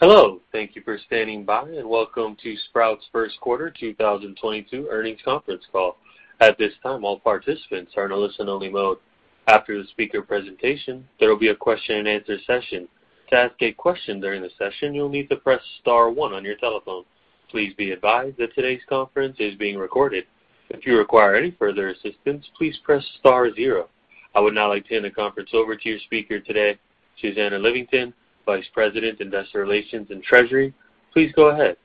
Hello, thank you for standing by, and welcome to Sprouts' Q1 2022 earnings conference call. At this time, all participants are in a listen only mode. After the speaker presentation, there will be a question and answer session. To ask a question during the session, you'll need to press star one on your telephone. Please be advised that today's conference is being recorded. If you require any further assistance, please press star zero. I would now like to hand the conference over to your speaker today, Susannah Livingston, Vice President, Investor Relations and Treasury. Please go ahead.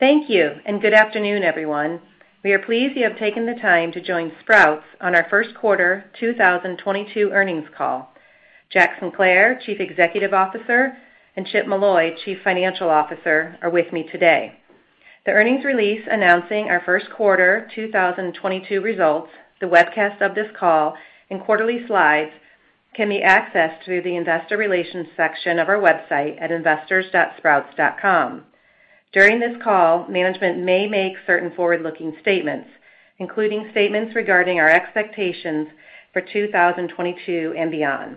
Thank you, and good afternoon, everyone. We are pleased you have taken the time to join Sprouts on our Q1 2022 earnings call. Jack Sinclair, Chief Executive Officer, and Chip Molloy, Chief Financial Officer, are with me today. The earnings release announcing our Q1 2022 results, the webcast of this call and quarterly slides can be accessed through the investor relations section of our website at investors.sprouts.com. During this call, management may make certain forward-looking statements, including statements regarding our expectations for 2022 and beyond.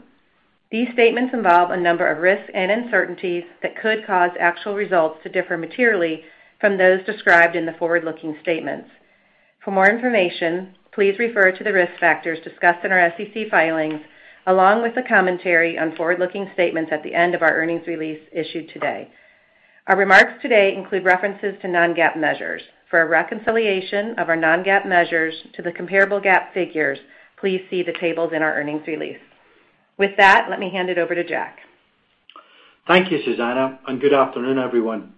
These statements involve a number of risks and uncertainties that could cause actual results to differ materially from those described in the forward-looking statements. For more information, please refer to the risk factors discussed in our SEC filings, along with the commentary on forward-looking statements at the end of our earnings release issued today. Our remarks today include references to non-GAAP measures. For a reconciliation of our non-GAAP measures to the comparable GAAP figures, please see the tables in our earnings release. With that, let me hand it over to Jack. Thank you, Susanna, and good afternoon, everyone.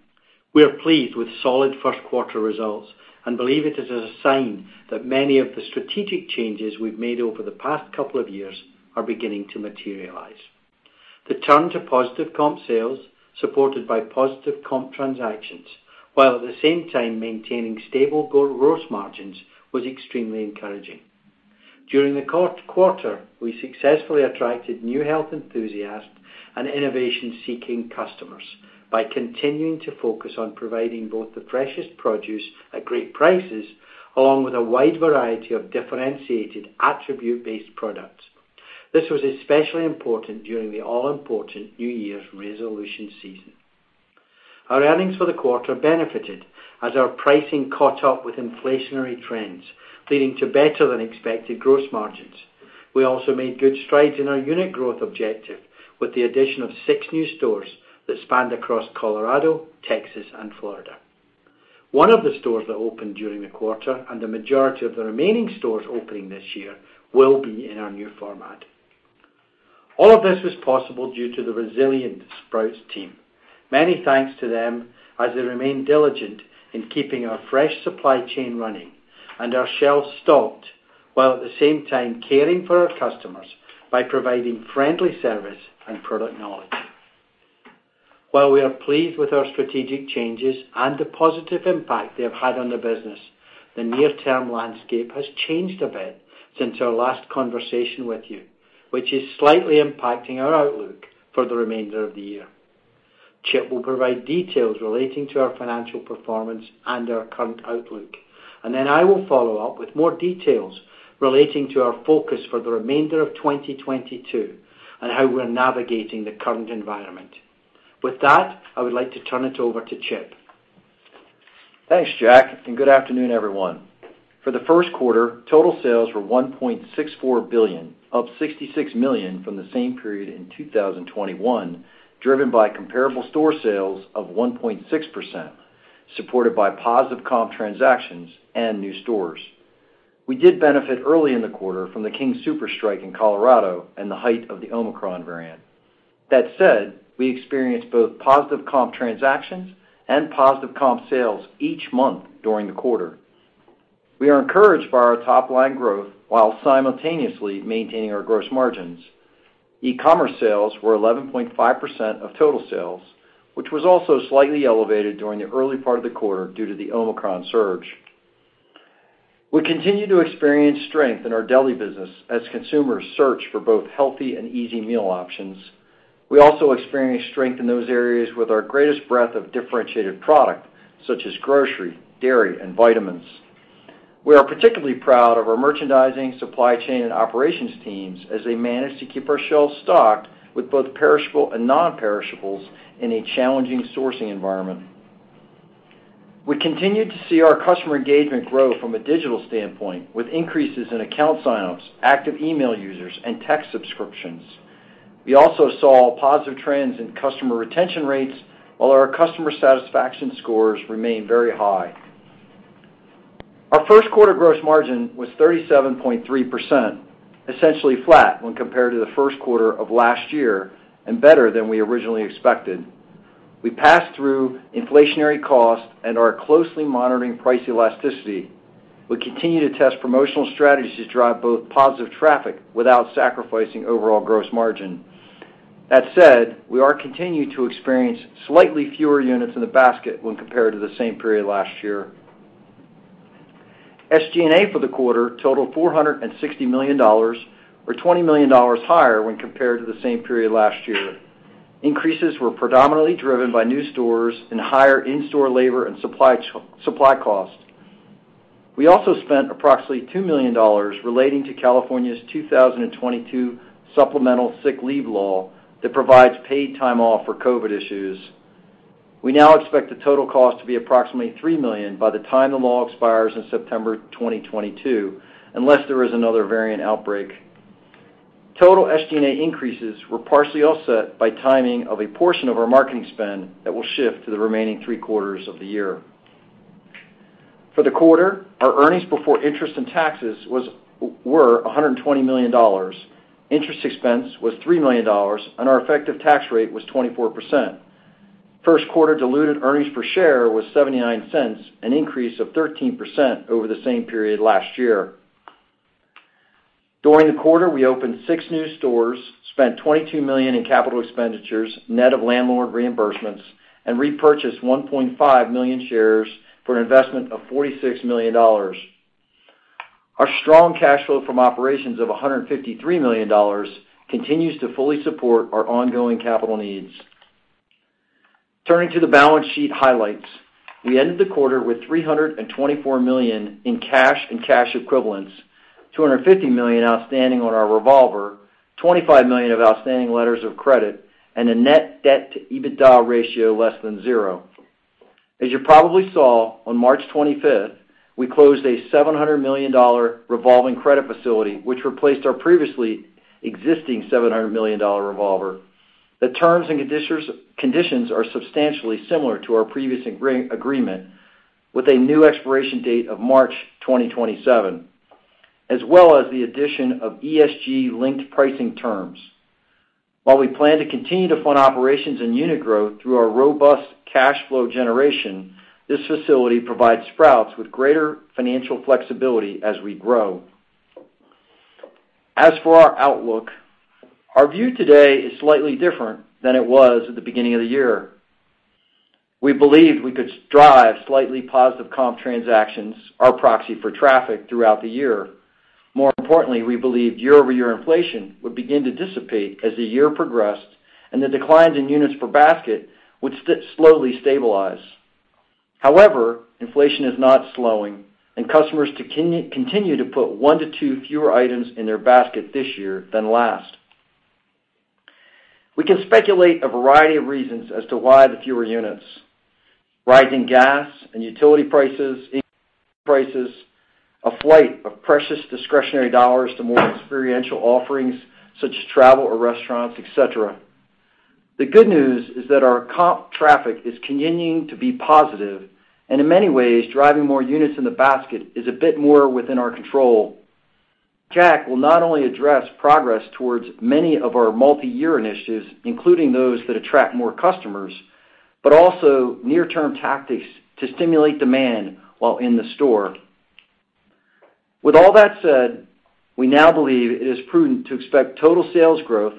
We are pleased with solid Q1 results and believe it is a sign that many of the strategic changes we've made over the past couple of years are beginning to materialize. The turn to positive comp sales, supported by positive comp transactions, while at the same time maintaining stable gross margins, was extremely encouraging. During the quarter, we successfully attracted new health enthusiasts and innovation-seeking customers by continuing to focus on providing both the freshest produce at great prices, along with a wide variety of differentiated attribute-based products. This was especially important during the all-important New Year's resolution season. Our earnings for the quarter benefited as our pricing caught up with inflationary trends, leading to better than expected gross margins. We also made good strides in our unit growth objective with the addition of six new stores that spanned across Colorado, Texas, and Florida. One of the stores that opened during the quarter and the majority of the remaining stores opening this year will be in our new format. All of this was possible due to the resilient Sprouts team. Many thanks to them as they remain diligent in keeping our fresh supply chain running and our shelves stocked, while at the same time caring for our customers by providing friendly service and product knowledge. While we are pleased with our strategic changes and the positive impact they have had on the business, the near-term landscape has changed a bit since our last conversation with you, which is slightly impacting our outlook for the remainder of the year. Chip will provide details relating to our financial performance and our current outlook, and then I will follow up with more details relating to our focus for the remainder of 2022, and how we're navigating the current environment. With that, I would like to turn it over to Chip. Thanks, Jack, and good afternoon, everyone. For the Q1, total sales were $1.64 billion, up $66 million from the same period in 2021, driven by comparable store sales of 1.6%, supported by positive comp transactions and new stores. We did benefit early in the quarter from the King Soopers strike in Colorado and the height of the Omicron variant. That said, we experienced both positive comp transactions and positive comp sales each month during the quarter. We are encouraged by our top line growth while simultaneously maintaining our gross margins. e-commerce sales were 11.5% of total sales, which was also slightly elevated during the early part of the quarter due to the Omicron surge. We continue to experience strength in our deli business as consumers search for both healthy and easy meal options. We also experienced strength in those areas with our greatest breadth of differentiated product, such as grocery, dairy, and vitamins. We are particularly proud of our merchandising, supply chain, and operations teams as they managed to keep our shelves stocked with both perishable and non-perishables in a challenging sourcing environment. We continued to see our customer engagement grow from a digital standpoint with increases in account sign-ups, active email users, and text subscriptions. We also saw positive trends in customer retention rates, while our customer satisfaction scores remain very high. Our Q1gross margin was 37.3%, essentially flat when compared to the Q1 of last year, and better than we originally expected. We passed through inflationary costs and are closely monitoring price elasticity. We continue to test promotional strategies to drive both positive traffic without sacrificing overall gross margin. That said, we are continuing to experience slightly fewer units in the basket when compared to the same period last year. SG&A for the quarter totaled $460 million, or $20 million higher when compared to the same period last year. Increases were predominantly driven by new stores and higher in-store labor and supply costs. We also spent approximately $2 million relating to California's 2022 supplemental sick leave law that provides paid time off for COVID issues. We now expect the total cost to be approximately $3 million by the time the law expires in September 2022, unless there is another variant outbreak. Total SG&A increases were partially offset by timing of a portion of our marketing spend that will shift to the remaining Q3 of the year. For the quarter, our earnings before interest and taxes were $120 million. Interest expense was $3 million, and our effective tax rate was 24%. Q1 Diluted earnings per share was $0.79, an increase of 13% over the same period last year. During the quarter, we opened six new stores, spent $22 million in capital expenditures, net of landlord reimbursements, and repurchased 1.5 million shares for an investment of $46 million. Our strong cash flow from operations of $153 million continues to fully support our ongoing capital needs. Turning to the balance sheet highlights. We ended the quarter with $324 million in cash and cash equivalents, $250 million outstanding on our revolver, $25 million of outstanding letters of credit, and a net debt-to-EBITDA ratio less than zero. As you probably saw, on March 25th, we closed a $700 million revolving credit facility which replaced our previously existing $700 million revolver. The terms and conditions are substantially similar to our previous agreement, with a new expiration date of March 2027, as well as the addition of ESG-linked pricing terms. While we plan to continue to fund operations and unit growth through our robust cash flow generation, this facility provides Sprouts with greater financial flexibility as we grow. As for our outlook, our view today is slightly different than it was at the beginning of the year. We believe we could drive slightly positive comp transactions, our proxy for traffic, throughout the year. More importantly, we believe year-over-year inflation would begin to dissipate as the year progressed and the declines in units per basket would slowly stabilize. However, inflation is not slowing and customers continue to put 1-2 fewer items in their basket this year than last. We can speculate a variety of reasons as to why the fewer units. Rising gas and utility prices, increases in wages, a flight of precious discretionary dollars to more experiential offerings such as travel or restaurants, et cetera. The good news is that our comp traffic is continuing to be positive, and in many ways, driving more units in the basket is a bit more within our control. Jack will not only address progress towards many of our multiyear initiatives, including those that attract more customers, but also near-term tactics to stimulate demand while in the store. With all that said, we now believe it is prudent to expect total sales growth,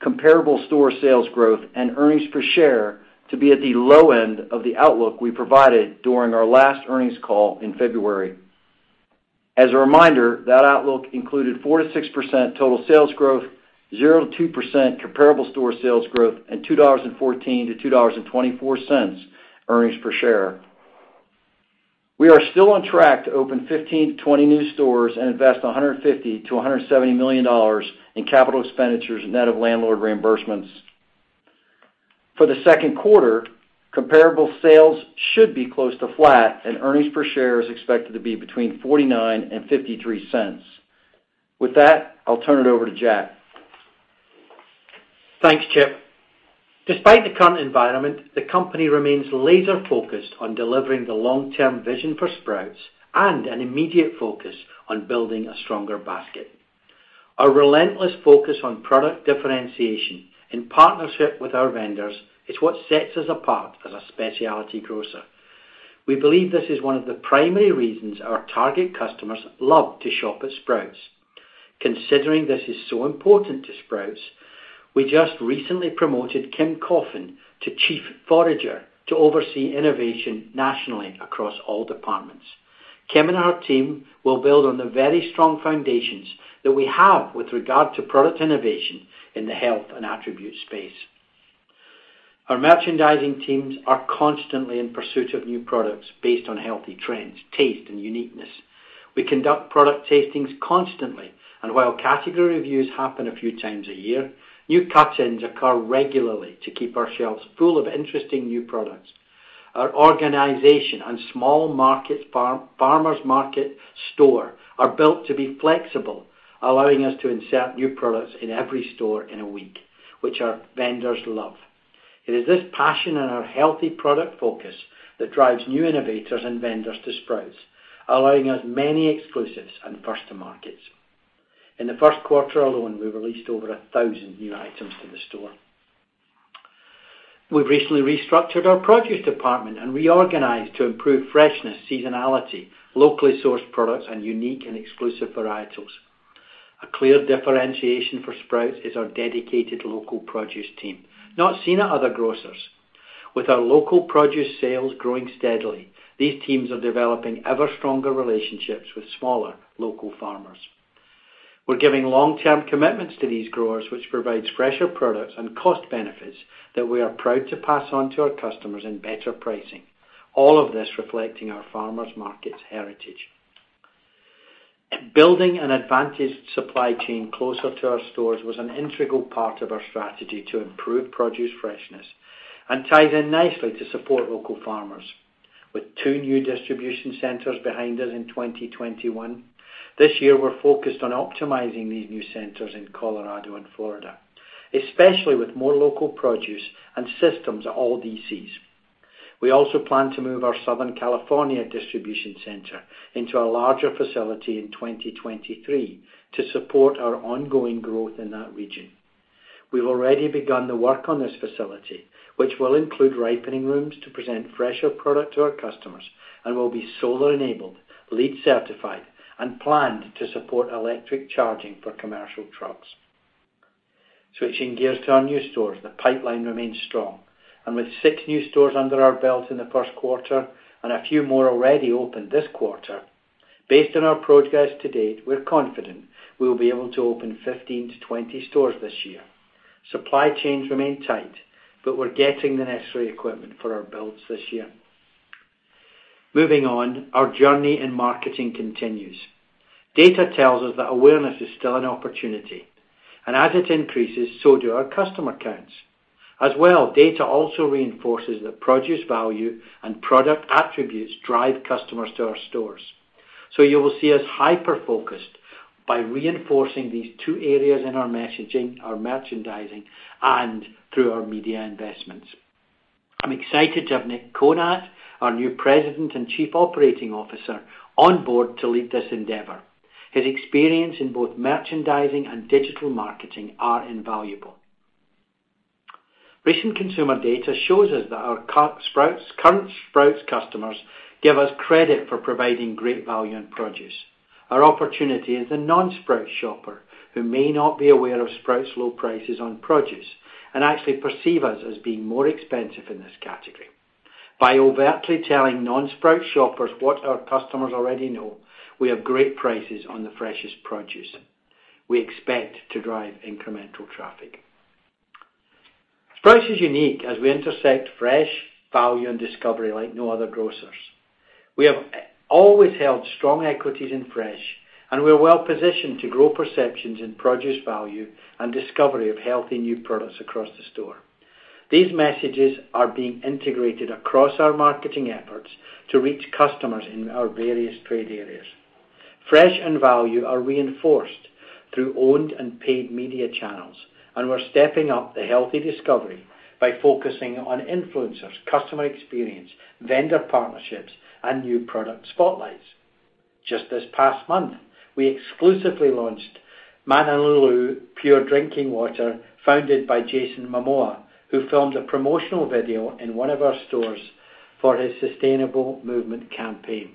comparable store sales growth, and earnings per share to be at the low end of the outlook we provided during our last earnings call in February. As a reminder, that outlook included 4%-6% total sales growth, 0%-2% comparable store sales growth, and $2.14-$2.24 earnings per share. We are still on track to open 15-20 new stores and invest $150 million-$170 million in capital expenditures net of landlord reimbursements. For the Q1, comparable sales should be close to flat, and earnings per share is expected to be between $0.49 and $0.53. With that, I'll turn it over to Jack. Thanks, Chip. Despite the current environment, the company remains laser-focused on delivering the long-term vision for Sprouts and an immediate focus on building a stronger basket. Our relentless focus on product differentiation in partnership with our vendors is what sets us apart as a specialty grocer. We believe this is one of the primary reasons our target customers love to shop at Sprouts. Considering this is so important to Sprouts, we just recently promoted Kim Coffin to Chief Forager to oversee innovation nationally across all departments. Kim and her team will build on the very strong foundations that we have with regard to product innovation in the health and attribute space. Our merchandising teams are constantly in pursuit of new products based on healthy trends, taste, and uniqueness. We conduct product tastings constantly, and while category reviews happen a few times a year, new cut-ins occur regularly to keep our shelves full of interesting new products. Our organization and small-market farmers' market stores are built to be flexible, allowing us to insert new products in every store in a week, which our vendors love. It is this passion and our healthy product focus that drives new innovators and vendors to Sprouts, allowing us many exclusives and first-to-market. In the Q1 alone, we released over 1,000 new items to the store. We've recently restructured our produce department and reorganized to improve freshness, seasonality, locally sourced products, and unique and exclusive varietals. A clear differentiation for Sprouts is our dedicated local produce team, not seen at other grocers. With our local produce sales growing steadily, these teams are developing ever stronger relationships with smaller local farmers. We're giving long-term commitments to these growers, which provides fresher products and cost benefits that we are proud to pass on to our customers in better pricing, all of this reflecting our farmers' markets heritage. Building an advantaged supply chain closer to our stores was an integral part of our strategy to improve produce freshness and ties in nicely to support local farmers. With two new distribution centers behind us in 2021, this year we're focused on optimizing these new centers in Colorado and Florida, especially with more local produce and systems at all DCs. We also plan to move our Southern California distribution center into a larger facility in 2023 to support our ongoing growth in that region. We've already begun the work on this facility, which will include ripening rooms to present fresher product to our customers and will be solar-enabled, LEED certified, and planned to support electric charging for commercial trucks. Switching gears to our new stores, the pipeline remains strong, and with 6 new stores under our belt in the Q1 and a few more already opened this quarter, based on our progress to date, we're confident we will be able to open 15-20 stores this year. Supply chains remain tight, but we're getting the necessary equipment for our builds this year. Moving on, our journey in marketing continues. Data tells us that awareness is still an opportunity, and as it increases, so do our customer counts. As well, data also reinforces that produce value and product attributes drive customers to our stores. You will see us hyper-focused by reinforcing these two areas in our messaging, our merchandising, and through our media investments. I'm excited to have Nick Konat, our new President and Chief Operating Officer, on board to lead this endeavor. His experience in both merchandising and digital marketing are invaluable. Recent consumer data shows us that our current Sprouts customers give us credit for providing great value on produce. Our opportunity is the non-Sprouts shopper who may not be aware of Sprouts' low prices on produce and actually perceive us as being more expensive in this category. By overtly telling non-Sprouts shoppers what our customers already know, we have great prices on the freshest produce, we expect to drive incremental traffic. Sprouts is unique as we intersect fresh, value, and discovery like no other grocers. We have always held strong equities in fresh, and we're well-positioned to grow perceptions in produce value and discovery of healthy new products across the store. These messages are being integrated across our marketing efforts to reach customers in our various trade areas. Fresh and value are reinforced through owned and paid media channels, and we're stepping up the healthy discovery by focusing on influencers, customer experience, vendor partnerships, and new product spotlights. Just this past month, we exclusively launched Mananalu Pure Drinking Water, founded by Jason Momoa, who filmed a promotional video in one of our stores for his sustainable movement campaign.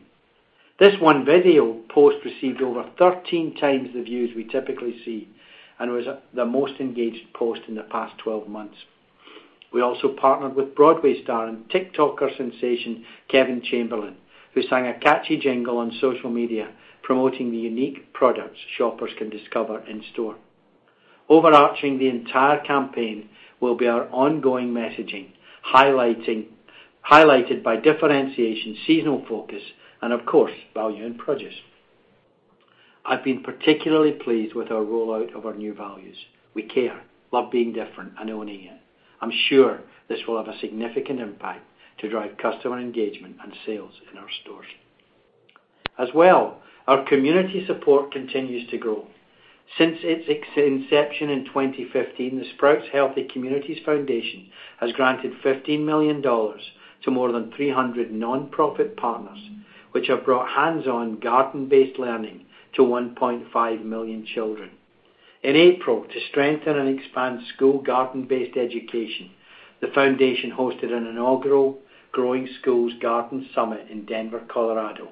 This one video post received over 13 times the views we typically see and was the most engaged post in the past 12 months. We also partnered with Broadway star and TikToker sensation Kevin Chamberlin, who sang a catchy jingle on social media promoting the unique products shoppers can discover in store. Overarching the entire campaign will be our ongoing messaging, highlighted by differentiation, seasonal focus, and of course, value and produce. I've been particularly pleased with our rollout of our new values. We care, love being different, and owning it. I'm sure this will have a significant impact to drive customer engagement and sales in our stores. Our community support continues to grow. Since its inception in 2015, the Sprouts Healthy Communities Foundation has granted $15 million to more than 300 nonprofit partners, which have brought hands-on garden-based learning to 1.5 million children. In April, to strengthen and expand school garden-based education, the foundation hosted an inaugural Growing School Gardens Summit in Denver, Colorado.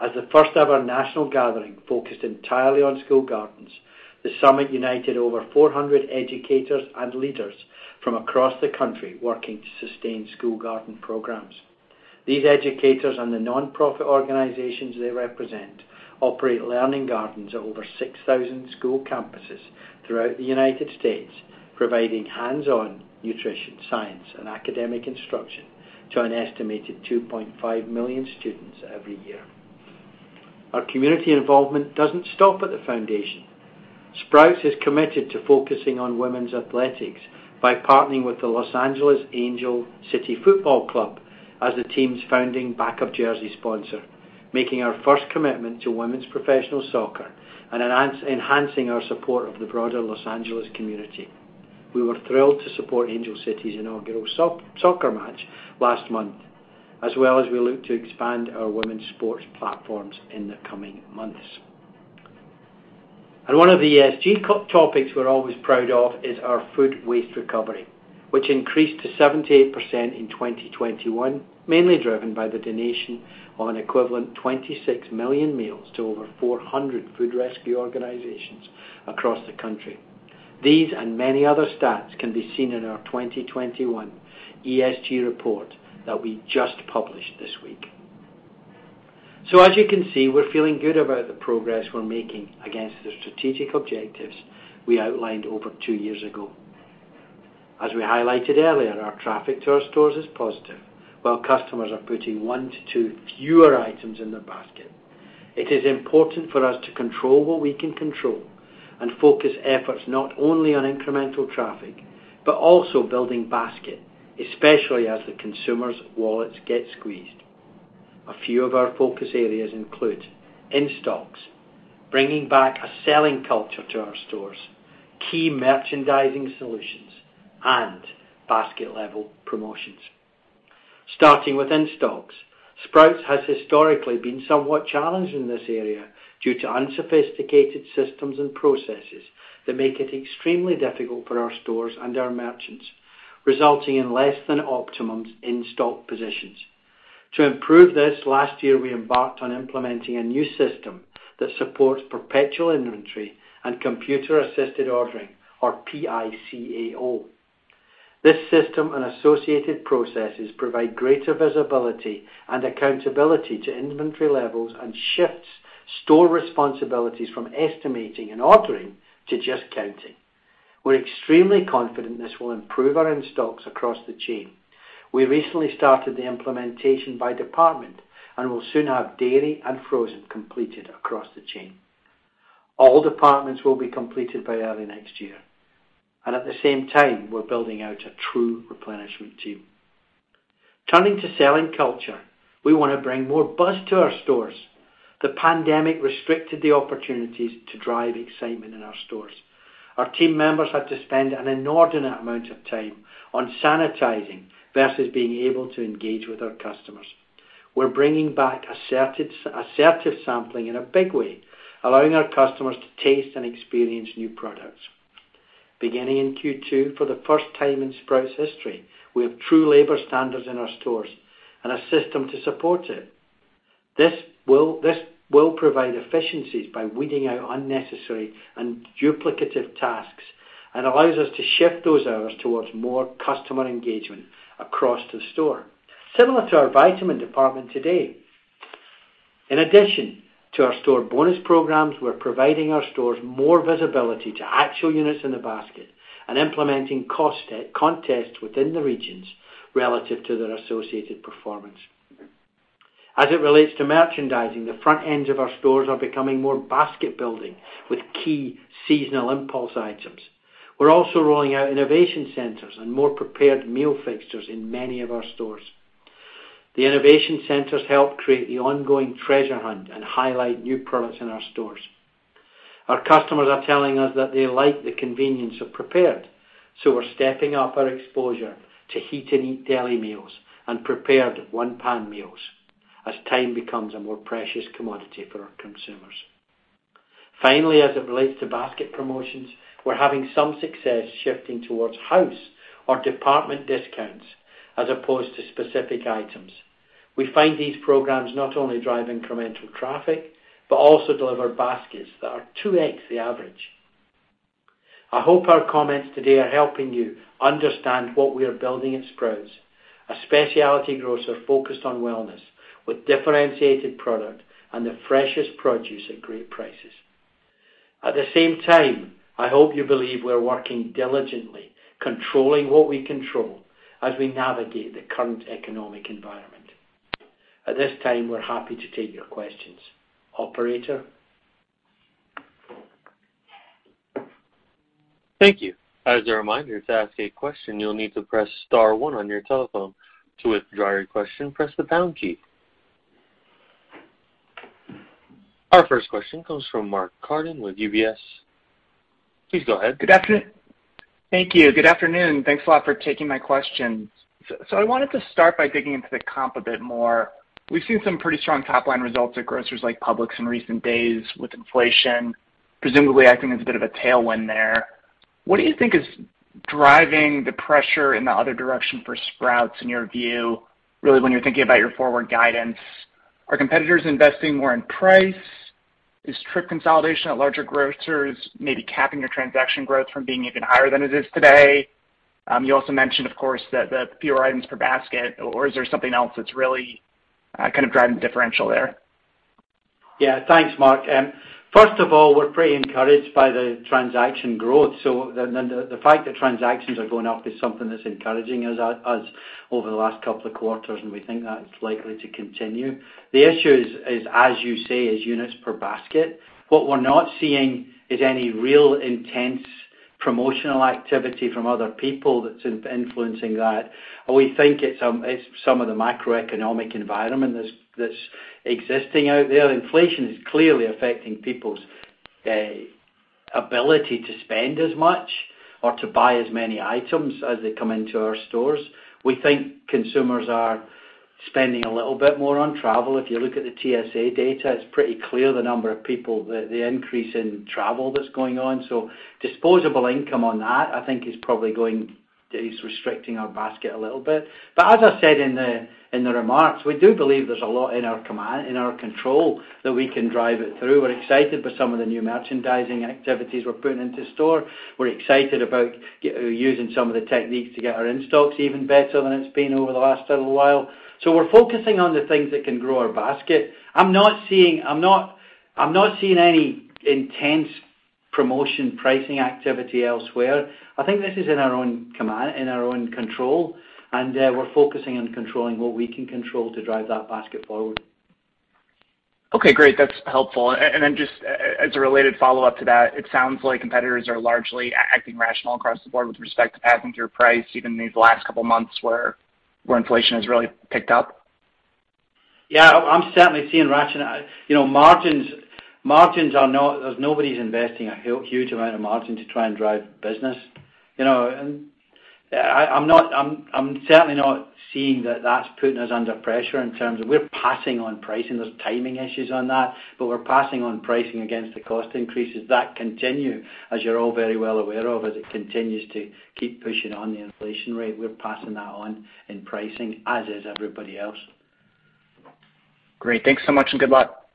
As the first-ever national gathering focused entirely on school gardens, the summit united over 400 educators and leaders from across the country working to sustain school garden programs. These educators and the nonprofit organizations they represent operate learning gardens at over 6,000 school campuses throughout the United States, providing hands-on nutrition, science, and academic instruction to an estimated 2.5 million students every year. Our community involvement doesn't stop at the foundation. Sprouts is committed to focusing on women's athletics by partnering with the Angel City Football Club as the team's founding backup jersey sponsor, making our first commitment to women's professional soccer and enhancing our support of the broader Los Angeles community. We were thrilled to support Angel City's inaugural soccer match last month, as well as we look to expand our women's sports platforms in the coming months. One of the ESG topics we're always proud of is our food waste recovery, which increased to 78% in 2021, mainly driven by the donation of an equivalent 26 million meals to over 400 food rescue organizations across the country. These and many other stats can be seen in our 2021 ESG report that we just published this week. As you can see, we're feeling good about the progress we're making against the strategic objectives we outlined over two years ago. As we highlighted earlier, our traffic to our stores is positive, while customers are putting 1-2 fewer items in their basket. It is important for us to control what we can control and focus efforts not only on incremental traffic, but also building basket, especially as the consumer's wallets get squeezed. A few of our focus areas include in-stocks, bringing back a selling culture to our stores, key merchandising solutions, and basket level promotions. Starting with in-stocks. Sprouts has historically been somewhat challenged in this area due to unsophisticated systems and processes that make it extremely difficult for our stores and our merchants, resulting in less than optimum in-stock positions. To improve this, last year, we embarked on implementing a new system that supports perpetual inventory and computer-assisted ordering, or PI & CAO. This system and associated processes provide greater visibility and accountability to inventory levels and shifts store responsibilities from estimating and ordering to just counting. We're extremely confident this will improve our in-stocks across the chain. We recently started the implementation by department and will soon have dairy and frozen completed across the chain. All departments will be completed by early next year, and at the same time, we're building out a true replenishment team. Turning to selling culture, we wanna bring more buzz to our stores. The pandemic restricted the opportunities to drive excitement in our stores. Our team members had to spend an inordinate amount of time on sanitizing versus being able to engage with our customers. We're bringing back assertive sampling in a big way, allowing our customers to taste and experience new products. Beginning in Q2, for the first time in Sprouts history, we have true labor standards in our stores and a system to support it. This will provide efficiencies by weeding out unnecessary and duplicative tasks and allows us to shift those hours towards more customer engagement across the store, similar to our vitamin department today. In addition to our store bonus programs, we're providing our stores more visibility to actual units in the basket and implementing cost-out contests within the regions relative to their associated performance. As it relates to merchandising, the front ends of our stores are becoming more basket-building with key seasonal impulse items. We're also rolling out innovation centers and more prepared meal fixtures in many of our stores. The innovation centers help create the ongoing treasure hunt and highlight new products in our stores. Our customers are telling us that they like the convenience of prepared, so we're stepping up our exposure to heat and eat deli meals and prepared one-pan meals as time becomes a more precious commodity for our consumers. Finally, as it relates to basket promotions, we're having some success shifting towards house or department discounts as opposed to specific items. We find these programs not only drive incremental traffic, but also deliver baskets that are 2x the average. I hope our comments today are helping you understand what we are building at Sprouts, a specialty grocer focused on wellness with differentiated product and the freshest produce at great prices. At the same time, I hope you believe we're working diligently, controlling what we control as we navigate the current economic environment. At this time, we're happy to take your questions. Operator? Thank you. As a reminder, to ask a question, you'll need to press star one on your telephone. To withdraw your question, press the pound key. Our first question comes from Mark Carden with UBS. Please go ahead. Good afternoon. Thank you. Good afternoon, and thanks a lot for taking my questions. I wanted to start by digging into the comp a bit more. We've seen some pretty strong top-line results at grocers like Publix in recent days with inflation, presumably acting as a bit of a tailwind there. What do you think is driving the pressure in the other direction for Sprouts in your view, really when you're thinking about your forward guidance? Are competitors investing more in price? Is trip consolidation at larger grocers maybe capping your transaction growth from being even higher than it is today? You also mentioned of course that the fewer items per basket or is there something else that's really, kind of driving the differential there? Yeah. Thanks, Mark. First of all, we're pretty encouraged by the transaction growth. Then the fact that transactions are going up is something that's encouraging us over the last couple of quarters, and we think that's likely to continue. The issue is, as you say, units per basket. What we're not seeing is any real intense promotional activity from other people that's influencing that. We think it's some of the macroeconomic environment that's existing out there. Inflation is clearly affecting people's ability to spend as much or to buy as many items as they come into our stores. We think consumers are spending a little bit more on travel. If you look at the TSA data, it's pretty clear the number of people, the increase in travel that's going on. Disposable income on that, I think, is probably going, is restricting our basket a little bit. As I said in the remarks, we do believe there's a lot in our command, in our control that we can drive it through. We're excited by some of the new merchandising activities we're putting into store. We're excited about using some of the techniques to get our in-stocks even better than it's been over the last little while. We're focusing on the things that can grow our basket. I'm not seeing any intense promotion pricing activity elsewhere. I think this is in our own command, in our own control, and we're focusing on controlling what we can control to drive that basket forward. Okay, great. That's helpful. Just as a related follow-up to that, it sounds like competitors are largely acting rational across the board with respect to passing through your price, even these last couple months where inflation has really picked up. Yeah. I'm certainly seeing rational. You know, margins are not. There's nobody's investing a huge amount of margin to try and drive business, you know. I'm certainly not seeing that that's putting us under pressure in terms of we're passing on pricing. There's timing issues on that, but we're passing on pricing against the cost increases that continue, as you're all very well aware of, as it continues to keep pushing on the inflation rate. We're passing that on in pricing as is everybody else. Great. Thanks so much, and good luck.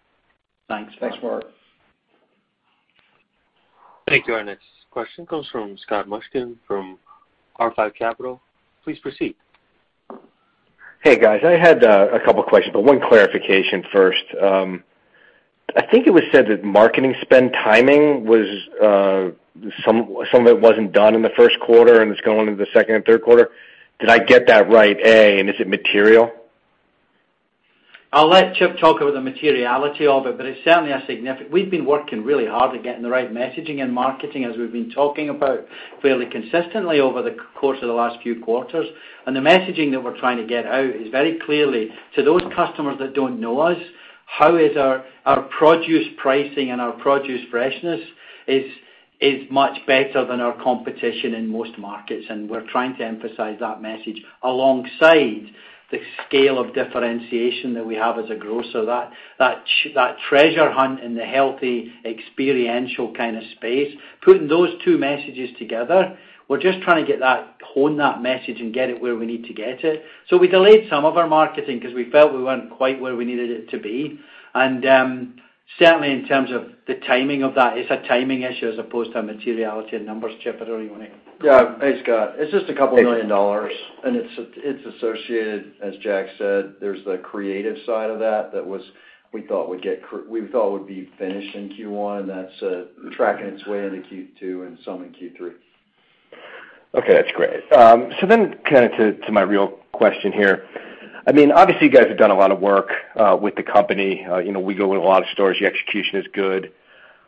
Thanks. Thanks, Mark. Thank you. Our next question comes from Scott Mushkin from R5 Capital. Please proceed. Hey, guys. I had a couple questions, one clarification first. I think it was said that marketing spend timing was some of it wasn't done in the Q1 and it's going into the second and Q3. Did I get that right, A? And is it material? I'll let Chip talk about the materiality of it, but it's certainly a significant. We've been working really hard at getting the right messaging and marketing as we've been talking about fairly consistently over the course of the last few quarters. The messaging that we're trying to get out is very clearly to those customers that don't know us, how is our produce pricing and our produce freshness is much better than our competition in most markets, and we're trying to emphasize that message alongside the scale of differentiation that we have as a grocer. That treasure hunt in the healthy experiential kind of space, putting those two messages together, we're just trying to get that, hone that message and get it where we need to get it. We delayed some of our marketing because we felt we weren't quite where we needed it to be. Certainly in terms of the timing of that, it's a timing issue as opposed to materiality and numbers. Chip, I don't know if you wanna- Yeah. Hey, Scott. It's just $2 million, and it's associated, as Jack said. There's the creative side of that we thought would be finished in Q1, and that's tracking its way into Q2 and some in Q3. Okay, that's great. Then kinda to my real question here. I mean, obviously, you guys have done a lot of work with the company. You know, we go in a lot of stores. Your execution is good.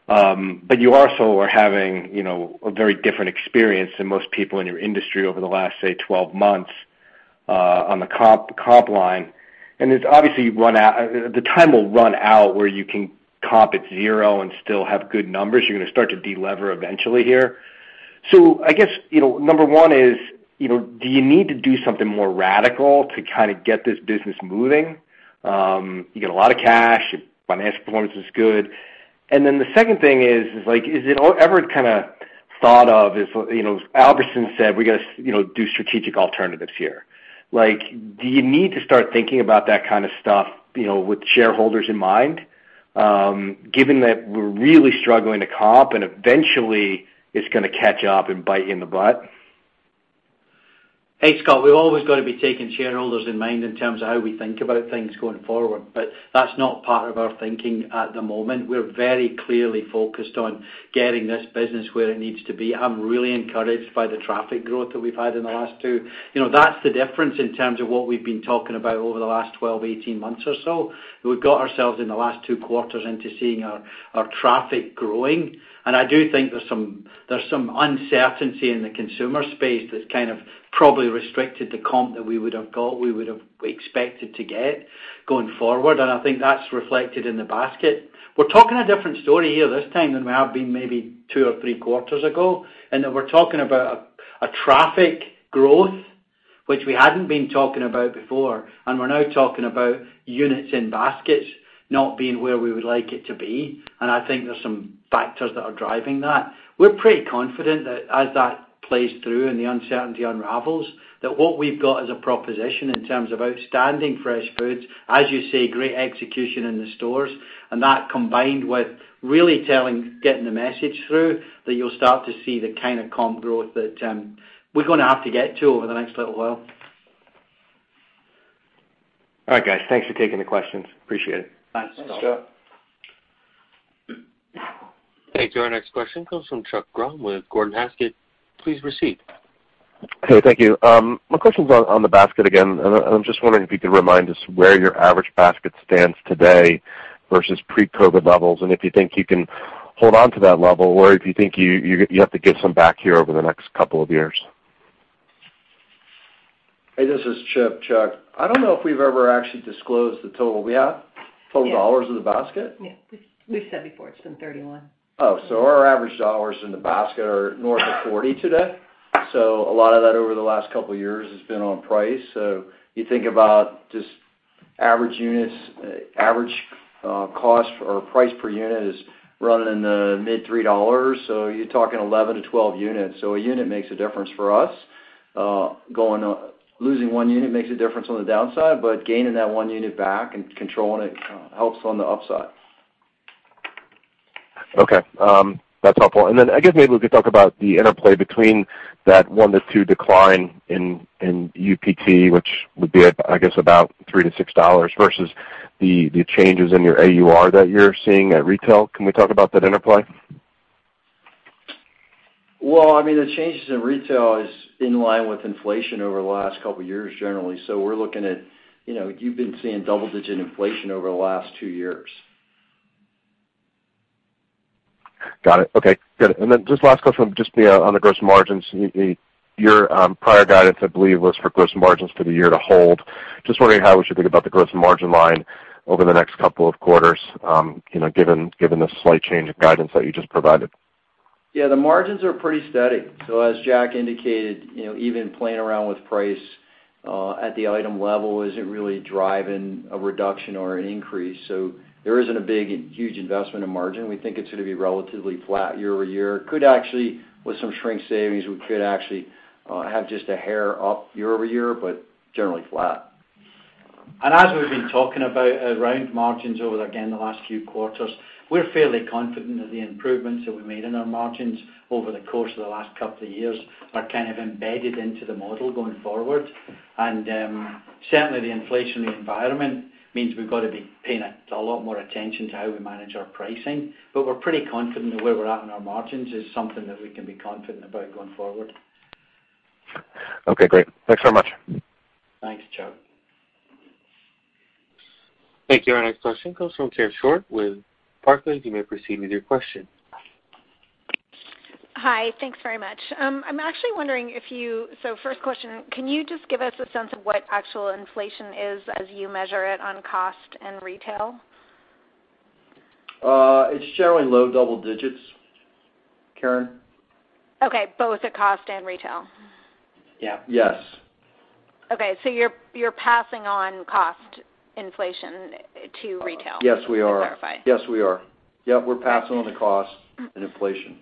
But you also are having, you know, a very different experience than most people in your industry over the last, say, 12 months on the comp line. It's obviously run out. The time will run out where you can comp at 0 and still have good numbers. You're gonna start to de-lever eventually here. I guess, you know, number one is, you know, do you need to do something more radical to kinda get this business moving? You get a lot of cash, your financial performance is good. The second thing is like, is it ever kinda thought of as, you know, Albertsons said, we gotta, you know, do strategic alternatives here. Like, do you need to start thinking about that kind of stuff, you know, with shareholders in mind, given that we're really struggling to comp and eventually it's gonna catch up and bite you in the butt? Hey, Scott. We've always gotta be taking shareholders in mind in terms of how we think about things going forward, but that's not part of our thinking at the moment. We're very clearly focused on getting this business where it needs to be. I'm really encouraged by the traffic growth that we've had in the last 2. You know, that's the difference in terms of what we've been talking about over the last 12, 18 months or so. We've got ourselves in the last Q2 into seeing our traffic growing. I do think there's some uncertainty in the consumer space that's kind of probably restricted the comp that we would have got, we would have expected to get going forward, and I think that's reflected in the basket. We're talking a different story here this time than we have been maybe two or Q3 ago, in that we're talking about a traffic growth, which we hadn't been talking about before, and we're now talking about units in baskets not being where we would like it to be, and I think there's some factors that are driving that. We're pretty confident that as that plays through and the uncertainty unravels, that what we've got is a proposition in terms of outstanding fresh foods, as you say, great execution in the stores, and that combined with really telling, getting the message through, that you'll start to see the kinda comp growth that we're gonna have to get to over the next little while. All right, guys. Thanks for taking the questions. Appreciate it. Thanks, Scott. Thanks, Chip. Thank you. Our next question comes from Chuck Grom with Gordon Haskett. Please proceed. Hey, thank you. My question's on the basket again, and I'm just wondering if you could remind us where your average basket stands today versus pre-COVID levels, and if you think you can hold on to that level or if you think you have to give some back here over the next couple of years. Hey, this is Chip, Chuck. I don't know if we've ever actually disclosed the total. We have? Yes. Total dollars in the basket? Yeah. We've said before it's been 31. Oh. Our average dollars in the basket are north of 40 today. A lot of that over the last couple years has been on price. You think about just average units, average cost or price per unit is running in the mid-$3. You're talking 11-12 units. A unit makes a difference for us. Losing one unit makes a difference on the downside, but gaining that one unit back and controlling it helps on the upside. Okay. That's helpful. I guess maybe we could talk about the interplay between that 1-2 decline in UPT, which would be at, I guess, about $3-$6 versus The changes in your AUR that you're seeing at retail, can we talk about that interplay? Well, I mean, the changes in retail is in line with inflation over the last couple of years generally. We're looking at, you know, you've been seeing double-digit inflation over the last two years. Got it. Okay. Good. Then just last question, just, you know, on the gross margins. Your prior guidance, I believe, was for gross margins for the year to hold. Just wondering how we should think about the gross margin line over the next couple of quarters, you know, given the slight change of guidance that you just provided. Yeah, the margins are pretty steady. As Jack indicated, you know, even playing around with price at the item level isn't really driving a reduction or an increase. There isn't a big, huge investment in margin. We think it's gonna be relatively flat year-over-year. Could actually, with some shrink savings, have just a hair up year-over-year, but generally flat. As we've been talking about around margins over again the last few quarters, we're fairly confident that the improvements that we made in our margins over the course of the last couple of years are kind of embedded into the model going forward. Certainly the inflationary environment means we've got to be paying a lot more attention to how we manage our pricing. We're pretty confident that where we're at in our margins is something that we can be confident about going forward. Okay, great. Thanks so much. Thanks, Chuck. Thank you. Our next question comes from Karen Short with Barclays. You may proceed with your question. Hi. Thanks very much. I'm actually wondering, first question, can you just give us a sense of what actual inflation is as you measure it on cost and retail? It's generally low double digits. Karen? Okay. Both at cost and retail? Yeah. Yes. Okay. You're passing on cost inflation to retail? Yes, we are. Just to clarify. Yes, we are. Yeah, we're passing on the cost and inflation.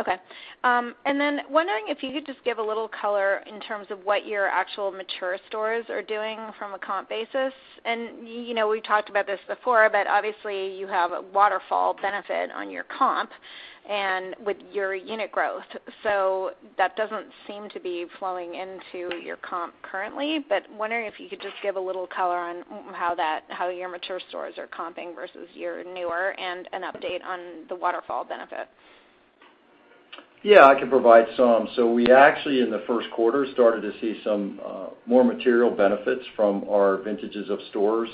Okay. Wondering if you could just give a little color in terms of what your actual mature stores are doing from a comp basis. You know, we talked about this before, but obviously, you have a waterfall benefit on your comp and with your unit growth. That doesn't seem to be flowing into your comp currently. Wondering if you could just give a little color on how your mature stores are comping versus your newer and an update on the waterfall benefit. Yeah, I can provide some. We actually in the Q1 started to see some more material benefits from our vintages of stores.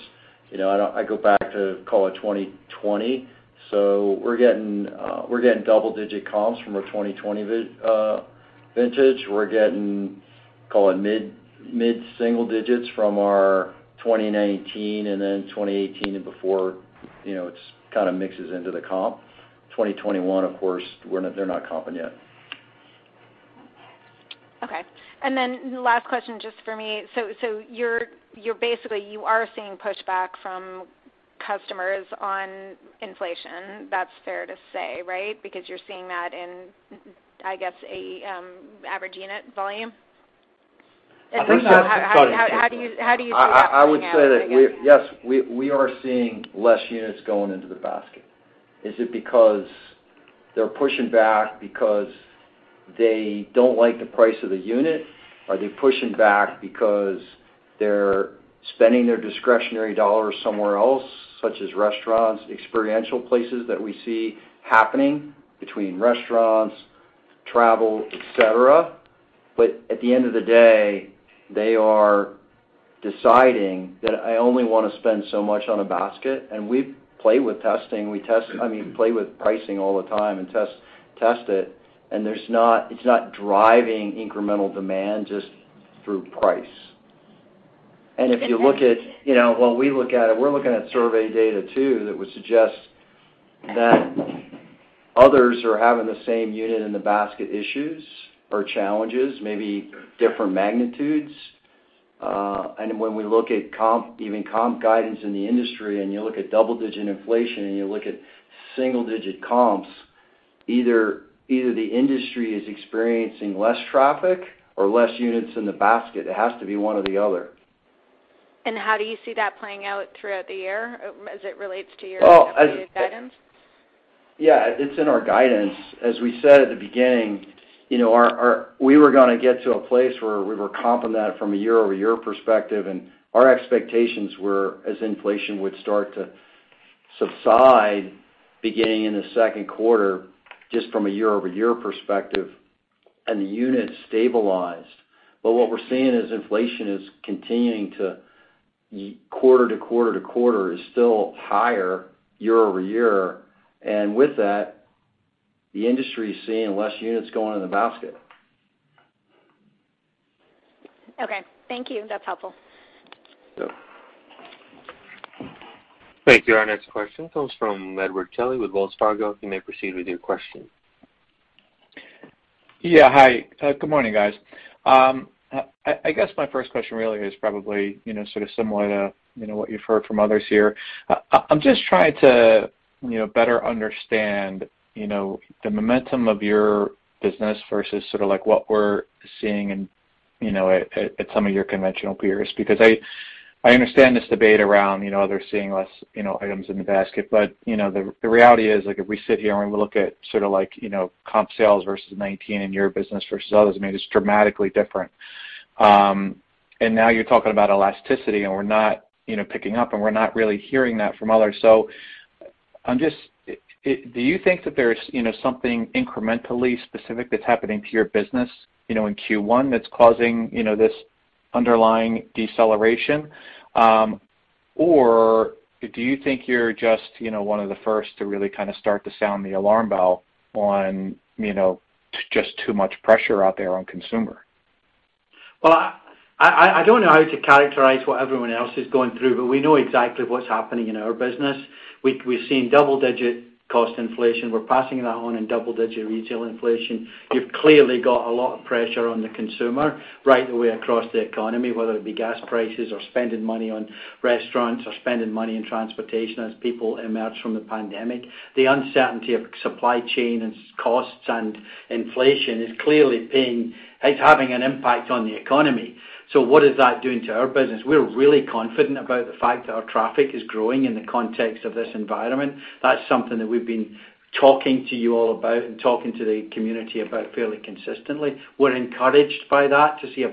You know, I go back to call it 2020. We're getting double-digit comps from our 2020 V sixes vintage. We're getting, call it mid-single digits from our 2019 and then 2018 and before, you know, it kind of mixes into the comp. 2021, of course, they're not comping yet. Okay. Then last question just for me. You're basically you are seeing pushback from customers on inflation. That's fair to say, right? Because you're seeing that in, I guess, average unit volume. I think that's. How do you see that playing out, I guess? I would say that we're yes, we are seeing less units going into the basket. Is it because they're pushing back because they don't like the price of the unit? Are they pushing back because they're spending their discretionary dollars somewhere else, such as restaurants, experiential places that we see happening between restaurants, travel, et cetera? But at the end of the day, they are deciding that I only wanna spend so much on a basket, and we play with testing. I mean, play with pricing all the time and test it, and it's not driving incremental demand just through price. If you look at, you know, when we look at it, we're looking at survey data too that would suggest that others are having the same unit in the basket issues or challenges, maybe different magnitudes. When we look at comp, even comp guidance in the industry, and you look at double-digit inflation, and you look at single digit comps, either the industry is experiencing less traffic or less units in the basket. It has to be one or the other. How do you see that playing out throughout the year as it relates to your updated guidance? Yeah. It's in our guidance. As we said at the beginning, you know, we were gonna get to a place where we were comping that from a year-over-year perspective, and our expectations were as inflation would start to subside beginning in the Q2, just from a year-over-year perspective, and the unit stabilized. What we're seeing is inflation is continuing to quarter-quarter-quarter is still higher year-over-year. With that, the industry is seeing less units going in the basket. Okay. Thank you. That's helpful. Yep. Thank you. Our next question comes from Edward Kelly with Wells Fargo. You may proceed with your question. Yeah. Hi. Good morning, guys. I guess my first question really is probably, you know, sort of similar to, you know, what you've heard from others here. I'm just trying to, you know, better understand, you know, the momentum of your business versus sort of like what we're seeing in, you know, at some of your conventional peers. Because I understand this debate around, you know, they're seeing less, you know, items in the basket. But, you know, the reality is, like, if we sit here and we look at sort of like, you know, comp sales versus 2019 in your business versus others, I mean, it's dramatically different. And now you're talking about elasticity, and we're not, you know, picking up, and we're not really hearing that from others. Do you think that there's, you know, something incrementally specific that's happening to your business, you know, in Q1 that's causing, you know, this underlying deceleration? Or do you think you're just, you know, one of the first to really kind of start to sound the alarm bell on, you know, just too much pressure out there on consumer? Well, I don't know how to characterize what everyone else is going through, but we know exactly what's happening in our business. We've seen double digit cost inflation, we're passing that on in double digit retail inflation. You've clearly got a lot of pressure on the consumer right the way across the economy, whether it be gas prices or spending money on restaurants or spending money in transportation as people emerge from the pandemic. The uncertainty of supply chain and costs and inflation is clearly playing. It's having an impact on the economy. What is that doing to our business? We're really confident about the fact that our traffic is growing in the context of this environment. That's something that we've been talking to you all about and talking to the community about fairly consistently. We're encouraged by that to see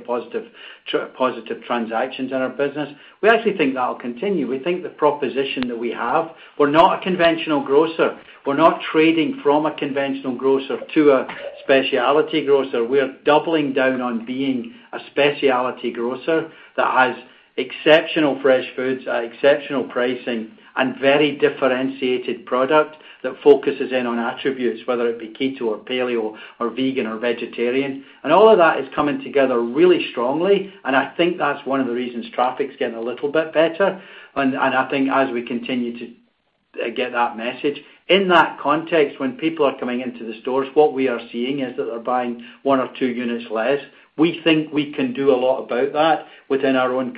positive transactions in our business. We actually think that'll continue. We think the proposition that we have, we're not a conventional grocer. We're not trading from a conventional grocer to a specialty grocer. We're doubling down on being a specialty grocer that has exceptional fresh foods at exceptional pricing and very differentiated product that focuses in on attributes, whether it be keto or paleo or vegan or vegetarian. All of that is coming together really strongly, and I think that's one of the reasons traffic's getting a little bit better and I think as we continue to get that message. In that context, when people are coming into the stores, what we are seeing is that they're buying one or two units less. We think we can do a lot about that within our own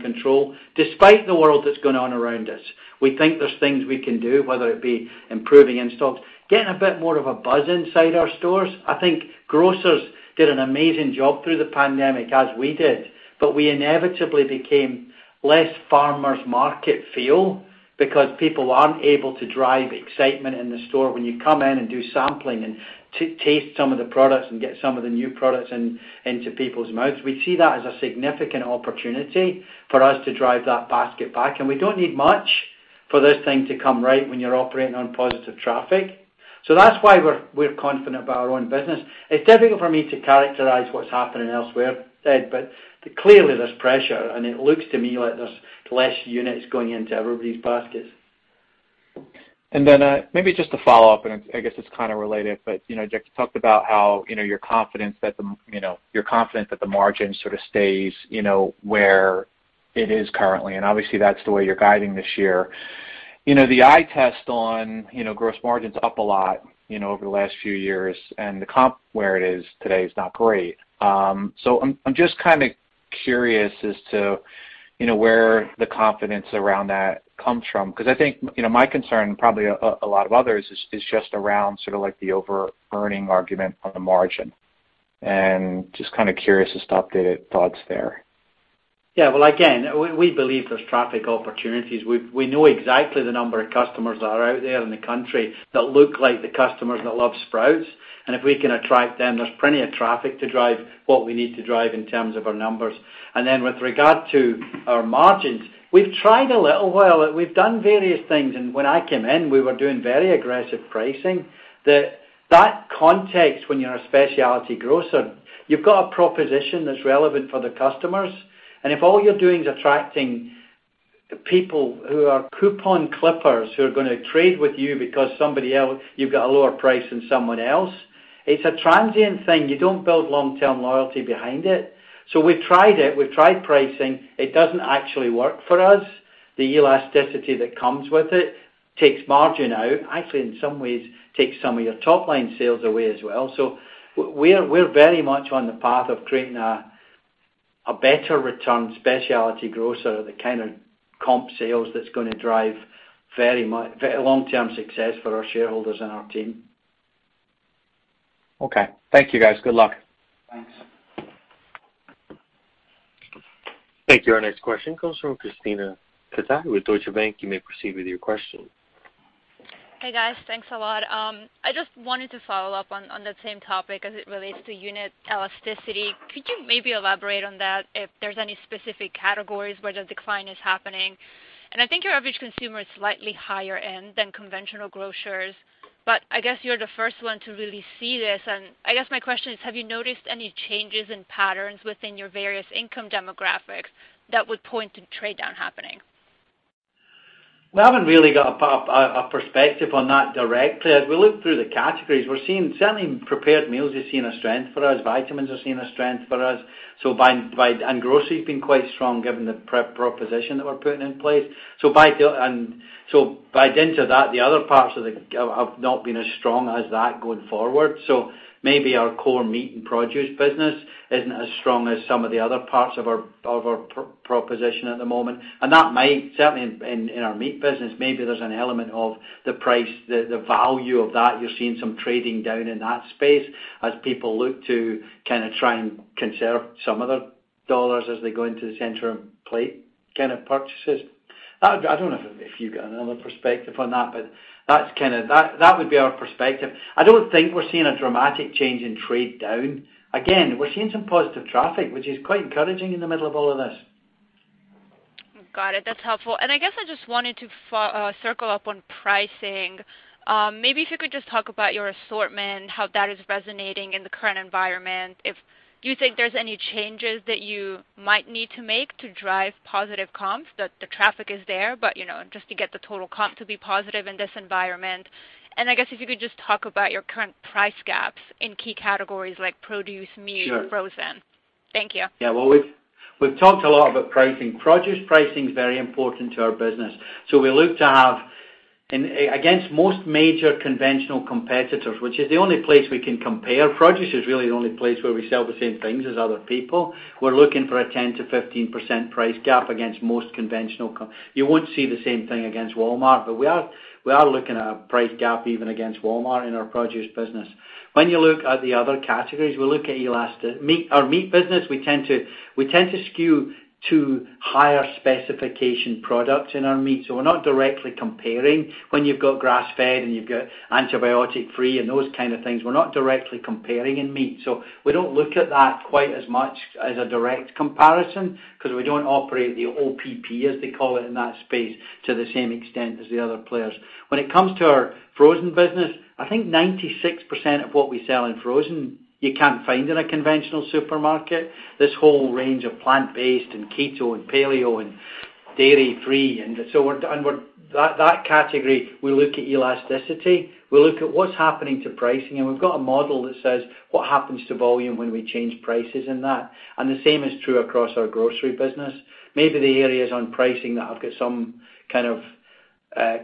control, despite the world that's going on around us. We think there's things we can do, whether it be improving in-stocks, getting a bit more of a buzz inside our stores. I think grocers did an amazing job through the pandemic, as we did, but we inevitably became less farmer's market feel because people aren't able to drive excitement in the store when you come in and do sampling and taste some of the products and get some of the new products in, into people's mouths. We see that as a significant opportunity for us to drive that basket back. We don't need much for this thing to come right when you're operating on positive traffic. That's why we're confident about our own business. It's difficult for me to characterize what's happening elsewhere, Ed, but clearly there's pressure and it looks to me like there's less units going into everybody's baskets. Maybe just a follow-up, and I guess it's kind of related, but, you know, Jack, you talked about how, you know, you're confident that the margin sort of stays, you know, where it is currently, and obviously, that's the way you're guiding this year. You know, the eye test on, you know, gross margins up a lot, you know, over the last few years and the comp where it is today is not great. So I'm just kinda curious as to, you know, where the confidence around that comes from because I think, you know, my concern, probably a lot of others, is just around sort of like the over-earning argument on the margin. Just kinda curious as to updated thoughts there. Yeah. Well, again, we believe there's traffic opportunities. We know exactly the number of customers that are out there in the country that look like the customers that love Sprouts. If we can attract them, there's plenty of traffic to drive what we need to drive in terms of our numbers. Then with regard to our margins, we've tried a little while. We've done various things. When I came in, we were doing very aggressive pricing. That context, when you're a specialty grocer, you've got a proposition that's relevant for the customers. If all you're doing is attracting people who are coupon clippers, who are gonna trade with you because you've got a lower price than someone else, it's a transient thing. You don't build long-term loyalty behind it. We've tried it, we've tried pricing. It doesn't actually work for us. The elasticity that comes with it takes margin out. Actually, in some ways, takes some of your top line sales away as well. We're very much on the path of creating a better return specialty grocer, the kind of comp sales that's gonna drive very long-term success for our shareholders and our team. Okay. Thank you, guys. Good luck. Thanks. Thank you. Our next question comes from Krisztina Katai with Deutsche Bank. You may proceed with your question. Hey, guys. Thanks a lot. I just wanted to follow up on that same topic as it relates to unit elasticity. Could you maybe elaborate on that, if there's any specific categories where the decline is happening? I think your average consumer is slightly higher end than conventional grocers, but I guess you're the first one to really see this. I guess my question is, have you noticed any changes in patterns within your various income demographics that would point to trade-down happening? We haven't really got a perspective on that directly. As we look through the categories, we're seeing certainly in prepared meals, we're seeing a strength for us. Vitamins, we're seeing a strength for us. Grocery has been quite strong given the proposition that we're putting in place. By dint of that, the other parts of the grocery have not been as strong as that going forward. Maybe our core meat and produce business isn't as strong as some of the other parts of our proposition at the moment. That might, certainly in our meat business, maybe there's an element of the price, the value of that. You're seeing some trading down in that space as people look to kinda try and conserve some of their dollars as they go into the center and bulk kind of purchases. I don't know if you've got another perspective on that, but that would be our perspective. I don't think we're seeing a dramatic change in trade down. Again, we're seeing some positive traffic, which is quite encouraging in the middle of all of this. Got it. That's helpful. I guess I just wanted to circle up on pricing. Maybe if you could just talk about your assortment, how that is resonating in the current environment. If you think there's any changes that you might need to make to drive positive comps, the traffic is there, but you know, just to get the total comp to be positive in this environment. I guess if you could just talk about your current price gaps in key categories like produce, meat- Sure. Frozen. Thank you. Yeah. Well, we've talked a lot about pricing. Produce pricing is very important to our business. We look to have against most major conventional competitors, which is the only place we can compare. Produce is really the only place where we sell the same things as other people. We're looking for a 10%-15% price gap against most conventional competitors. You won't see the same thing against Walmart, but we are looking at a price gap even against Walmart in our produce business. When you look at the other categories, we look at meat. Our meat business, we tend to skew to higher specification products in our meat, so we're not directly comparing when you've got grass-fed and you've got antibiotic-free and those kind of things. We're not directly comparing in meat. We don't look at that quite as much as a direct comparison because we don't operate the OPP, as they call it in that space, to the same extent as the other players. When it comes to our frozen business, I think 96% of what we sell in frozen, you can't find in a conventional supermarket. This whole range of plant-based and keto and paleo and dairy-free. That category, we look at elasticity. We look at what's happening to pricing, and we've got a model that says, what happens to volume when we change prices in that? The same is true across our grocery business. Maybe the areas on pricing that I've got some kind of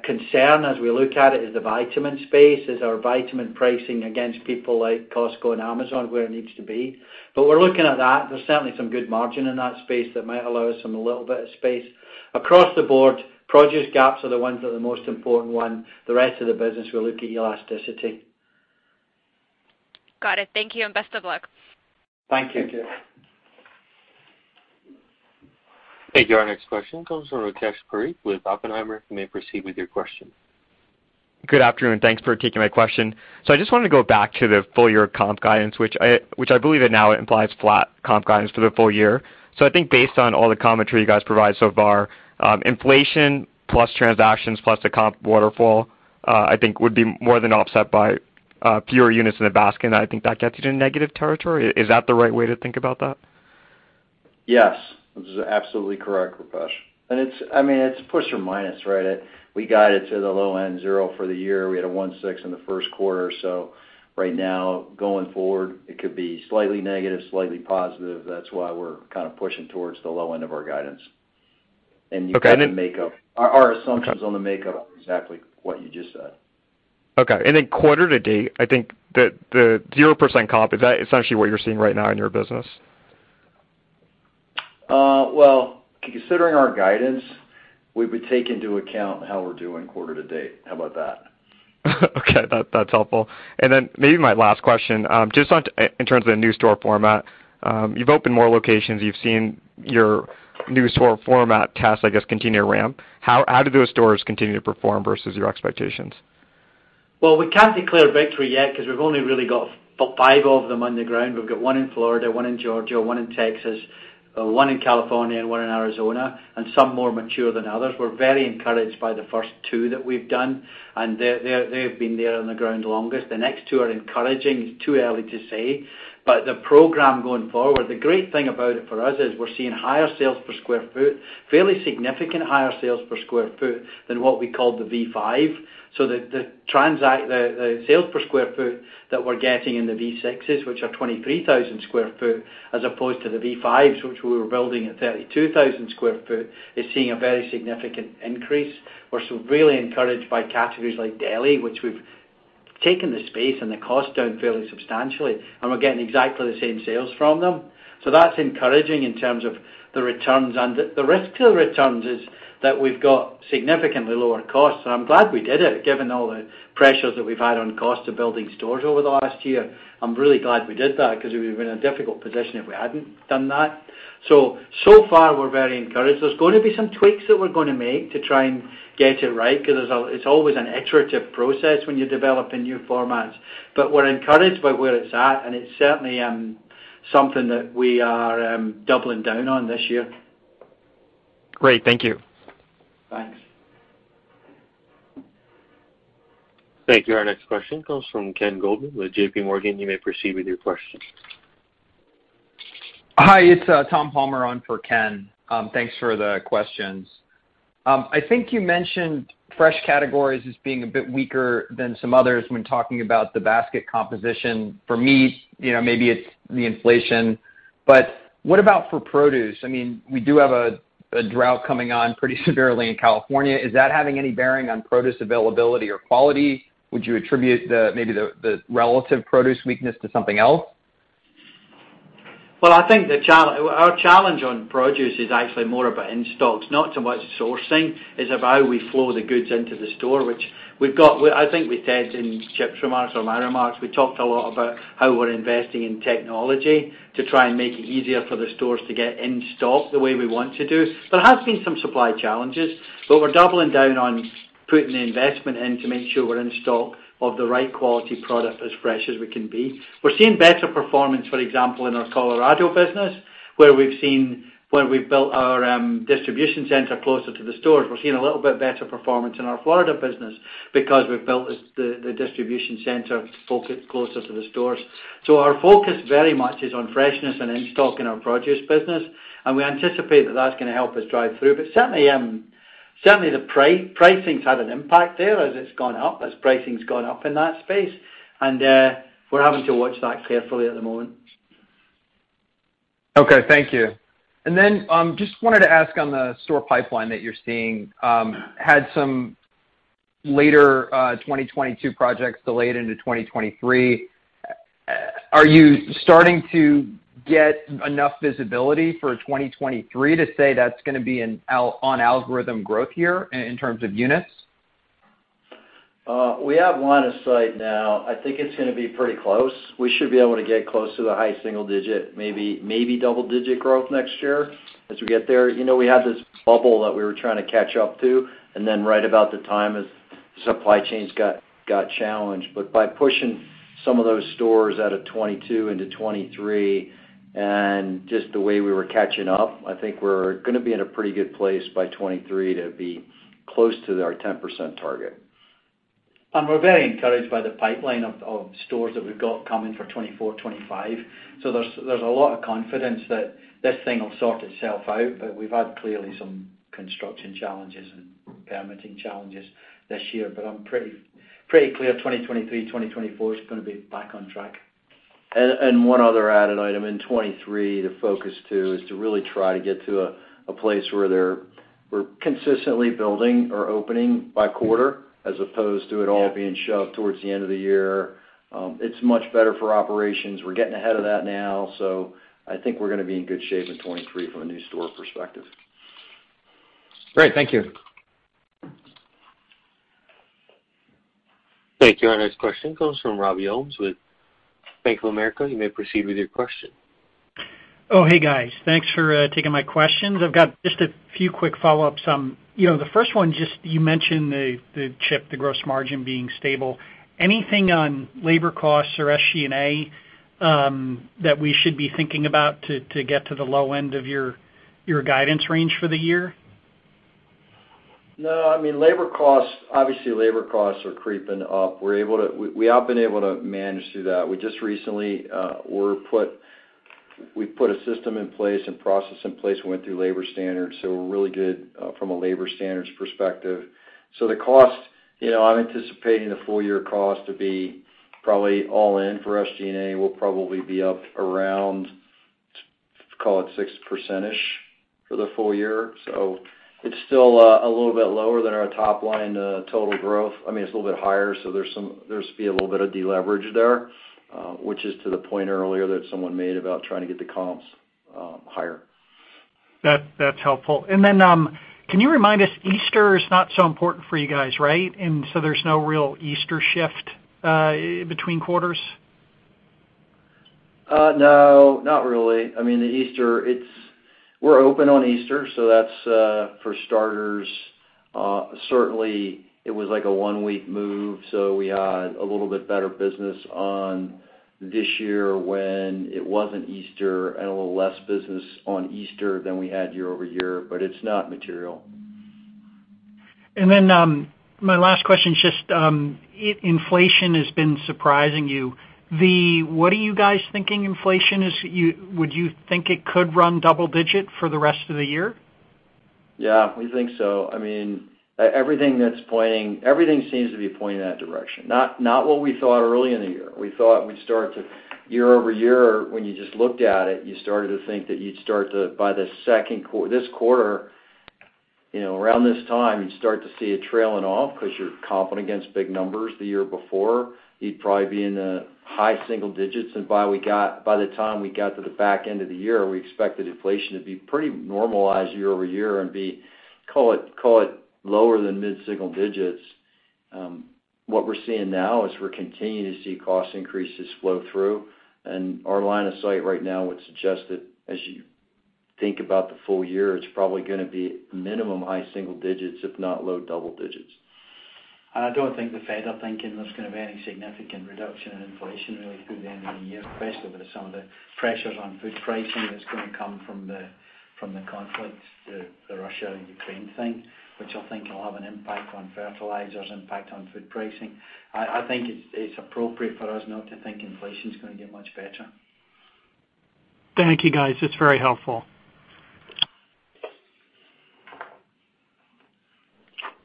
concern as we look at it is the vitamin space. Is our vitamin pricing against people like Costco and Amazon where it needs to be? We're looking at that. There's certainly some good margin in that space that might allow us some little bit of space. Across the board, produce gaps are the ones that are the most important one. The rest of the business, we look at elasticity. Got it. Thank you, and best of luck. Thank you. Thank you. Our next question comes from Rupesh Parikh with Oppenheimer. You may proceed with your question. Good afternoon. Thanks for taking my question. I just wanted to go back to the full year comp guidance, which I believe it now implies flat comp guidance for the full year. I think based on all the commentary you guys provide so far, inflation plus transactions plus the comp waterfall, I think would be more than offset by fewer units in the basket, and I think that gets you to negative territory. Is that the right way to think about that? Yes. This is absolutely correct, Rupesh. It's I mean, it's plus or minus, right? We got it to the low end zero for the year. We had a 1.6% in the Q1. Right now, going forward, it could be slightly negative, slightly positive. That's why we're kind of pushing towards the low end of our guidance. Okay. You've got the makeup. Okay. Our assumptions on the makeup are exactly what you just said. Okay. Quarter to date, I think the 0% comp is that essentially what you're seeing right now in your business? Well, considering our guidance, we would take into account how we're doing quarter to date. How about that? Okay. That's helpful. Maybe my last question, just on in terms of the new store format, you've opened more locations. You've seen your new store format test, I guess, continue to ramp. How do those stores continue to perform versus your expectations? Well, we can't declare victory yet because we've only really got 5 of them on the ground. We've got one in Florida, one in Georgia, one in Texas, one in California, and one in Arizona, and some more mature than others. We're very encouraged by the first 2 that we've done, and they've been there on the ground longest. The next 2 are encouraging. It's too early to say. The program going forward, the great thing about it for us is we're seeing higher sales per sq ft, fairly significant higher sales per sq ft than what we call the V5. The sales per square foot that we're getting in the V sixes, which are 23,000 sq ft, as opposed to the V fives, which we were building at 32,000 sq ft, is seeing a very significant increase. We're so really encouraged by categories like deli, which we've taken the space and the cost down fairly substantially, and we're getting exactly the same sales from them. That's encouraging in terms of the returns. The risk to the returns is that we've got significantly lower costs, and I'm glad we did it, given all the pressures that we've had on cost of building stores over the last year. I'm really glad we did that because we'd be in a difficult position if we hadn't done that. So far, we're very encouraged. There's gonna be some tweaks that we're gonna make to try and get it right because it's always an iterative process when you're developing new formats. We're encouraged by where it's at, and it's certainly something that we are doubling down on this year. Great. Thank you. Thanks. Thank you. Our next question comes from Ken Goldman with J.P. Morgan. You may proceed with your question. Hi, it's Tom Palmer on for Ken. Thanks for the questions. I think you mentioned fresh categories as being a bit weaker than some others when talking about the basket composition. For me, you know, maybe it's the inflation. What about for produce? I mean, we do have a drought coming on pretty severely in California. Is that having any bearing on produce availability or quality? Would you attribute the relative produce weakness to something else? I think our challenge on produce is actually more about in-stocks, not so much sourcing. It's about we flow the goods into the store, which I think we said in Chip's remarks or my remarks, we talked a lot about how we're investing in technology to try and make it easier for the stores to get in-stock the way we want to do. There has been some supply challenges, but we're doubling down on putting the investment in to make sure we're in stock of the right quality product as fresh as we can be. We're seeing better performance, for example, in our Colorado business, where we've built our distribution center closer to the stores. We're seeing a little bit better performance in our Florida business because we've built the distribution center closer to the stores. Our focus very much is on freshness and in-stock in our produce business, and we anticipate that that's gonna help us drive through. Certainly the pricing's had an impact there as it's gone up, as pricing's gone up in that space. We're having to watch that carefully at the moment. Okay. Thank you. Just wanted to ask on the store pipeline that you're seeing. Had some latter 2022 projects delayed into 2023. Are you starting to get enough visibility for 2023 to say that's gonna be an organic growth year in terms of units? We have line of sight now. I think it's gonna be pretty close. We should be able to get close to the high single digit, maybe double-digit growth next year as we get there. You know, we had this bubble that we were trying to catch up to, and then right about the time as supply chains got challenged. By pushing some of those stores out of 2022 into 2023 and just the way we were catching up, I think we're gonna be in a pretty good place by 2023 to be close to our 10% target. We're very encouraged by the pipeline of stores that we've got coming for 2024, 2025. There's a lot of confidence that this thing will sort itself out, but we've had clearly some construction challenges and permitting challenges this year. I'm pretty clear 2023, 2024 is gonna be back on track. One other added item in 2023 to focus, too, is to really try to get to a place where we're consistently building or opening by quarter as opposed to it all being shoved towards the end of the year. It's much better for operations. We're getting ahead of that now, so I think we're gonna be in good shape in 2023 from a new store perspective. Great. Thank you. Thank you. Our next question comes from Robert Ohmes with Bank of America. You may proceed with your question. Oh, hey, guys. Thanks for taking my questions. I've got just a few quick follow-ups. You know, the first one just you mentioned the gross margin being stable. Anything on labor costs or SG&A that we should be thinking about to get to the low end of your guidance range for the year? No. I mean, labor costs, obviously, are creeping up. We have been able to manage through that. We just recently, we've put a system in place and process in place. We went through labor standards, so we're really good from a labor standards perspective. So the cost, you know, I'm anticipating the full year cost to be probably all in for SG&A will probably be up around, call it 6%-ish for the full year. So it's still a little bit lower than our top line total growth. I mean, it's a little bit higher, so there's a little bit of deleverage there, which is to the point earlier that someone made about trying to get the comps higher. That's helpful. Can you remind us, Easter is not so important for you guys, right? There's no real Easter shift between quarters? No, not really. I mean, the Easter, we're open on Easter, so that's, for starters, certainly it was like a one-week move, so we had a little bit better business in this year when it wasn't Easter and a little less business on Easter than we had year over year, but it's not material. My last question is just, inflation has been surprising you. What are you guys thinking inflation is? Would you think it could run double-digit for the rest of the year? Yeah, we think so. I mean, everything seems to be pointing in that direction, not what we thought early in the year. We thought we'd start to year-over-year when you just looked at it, you started to think that you'd start to by this quarter, you know, around this time, you start to see it trailing off 'cause you're comping against big numbers the year before. You'd probably be in the high single digits. By the time we got to the back end of the year, we expected inflation to be pretty normalized year-over-year and be, call it lower than mid-single digits. What we're seeing now is we're continuing to see cost increases flow through. Our line of sight right now would suggest that as you think about the full year, it's probably gonna be minimum high single digits%, if not low double digits%. I don't think the Fed are thinking there's gonna be any significant reduction in inflation really through the end of the year, especially with some of the pressures on food pricing that's gonna come from the conflict, the Russia and Ukraine thing, which I think will have an impact on fertilizers, impact on food pricing. I think it's appropriate for us not to think inflation's gonna get much better. Thank you, guys. It's very helpful. Thank you.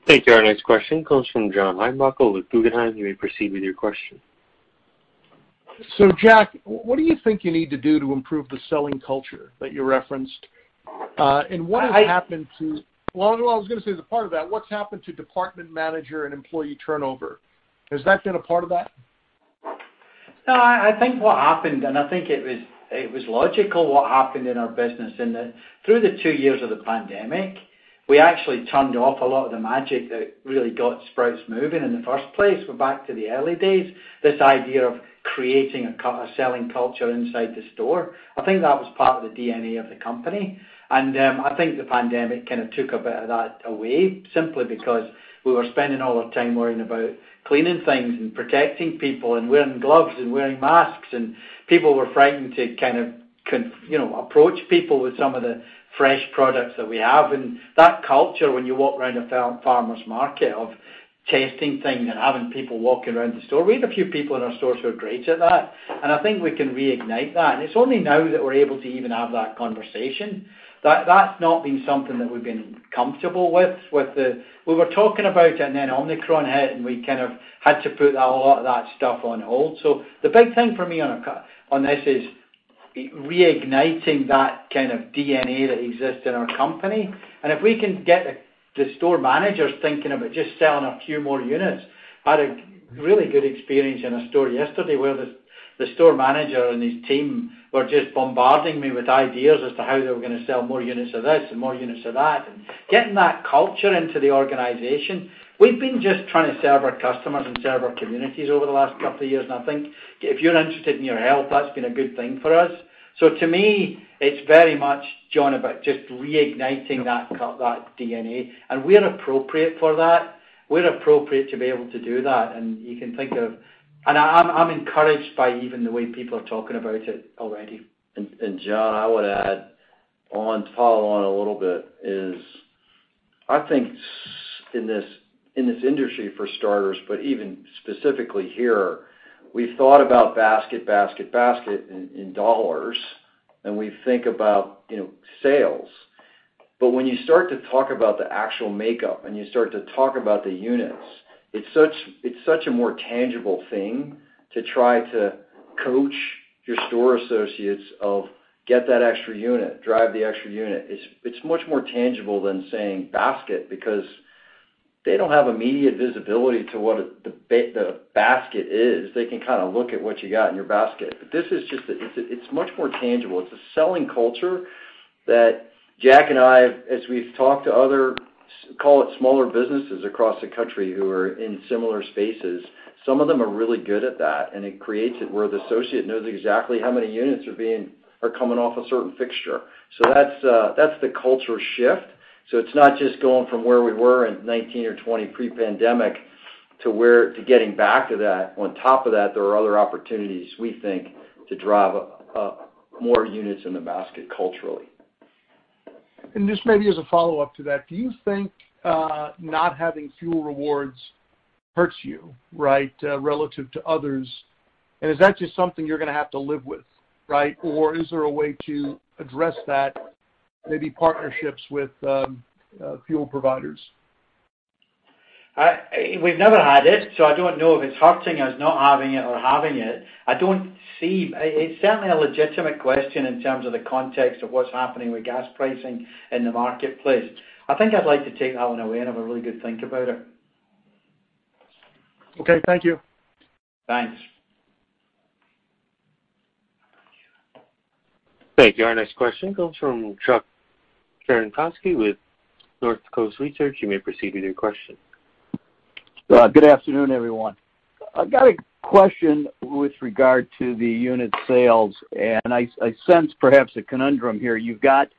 Our next question comes from John Heinbockel with Guggenheim. You may proceed with your question. Jack, what do you think you need to do to improve the selling culture that you referenced? Well, I was gonna say as a part of that, what's happened to department manager and employee turnover? Has that been a part of that? No, I think what happened, and I think it was logical what happened in our business in that through the two years of the pandemic, we actually turned off a lot of the magic that really got Sprouts moving in the first place. We're back to the early days, this idea of creating a selling culture inside the store. I think that was part of the DNA of the company. I think the pandemic kind of took a bit of that away simply because we were spending all our time worrying about cleaning things and protecting people and wearing gloves and wearing masks, and people were frightened to kind of you know, approach people with some of the fresh products that we have. That culture when you walk around a farmer's market of tasting things and having people walking around the store, we had a few people in our stores who are great at that, and I think we can reignite that. It's only now that we're able to even have that conversation. That's not been something that we've been comfortable with. We were talking about it, and then Omicron hit, and we kind of had to put a lot of that stuff on hold. The big thing for me on this is reigniting that kind of DNA that exists in our company. If we can get the store managers thinking about just selling a few more units. I had a really good experience in a store yesterday where the store manager and his team were just bombarding me with ideas as to how they were gonna sell more units of this and more units of that and getting that culture into the organization. We've been just trying to serve our customers and serve our communities over the last couple of years, and I think if you're interested in your health, that's been a good thing for us. So to me, it's very much, John, about just reigniting that DNA. We're appropriate for that. We're appropriate to be able to do that, and I'm encouraged by even the way people are talking about it already. John, I would add on to follow on a little bit is I think in this industry for starters, but even specifically here, we've thought about basket in dollars, and we think about, you know, sales. When you start to talk about the actual makeup and you start to talk about the units, it's such a more tangible thing to try to coach your store associates to get that extra unit, drive the extra unit. It's much more tangible than saying basket because they don't have immediate visibility to what the basket is. They can kinda look at what you got in your basket. This is just, it's much more tangible. It's a selling culture that Jack and I, as we've talked to other, call it, smaller businesses across the country who are in similar spaces, some of them are really good at that, and it creates it where the associate knows exactly how many units are coming off a certain fixture. That's the culture shift. It's not just going from where we were in 2019 or 2020 pre-pandemic to getting back to that. On top of that, there are other opportunities, we think, to drive up more units in the basket culturally. Just maybe as a follow-up to that, do you think not having fuel rewards hurts you, right, relative to others? Is that just something you're gonna have to live with, right? Is there a way to address that, maybe partnerships with fuel providers? We've never had it, so I don't know if it's hurting us not having it or having it. It's certainly a legitimate question in terms of the context of what's happening with gas pricing in the marketplace. I think I'd like to take that one away and have a really good think about it. Okay, thank you. Thanks. Thank you. Our next question comes from Chuck Cerankosky with Northcoast Research. You may proceed with your question. Good afternoon, everyone. I've got a question with regard to the unit sales, and I sense perhaps a conundrum here. You've got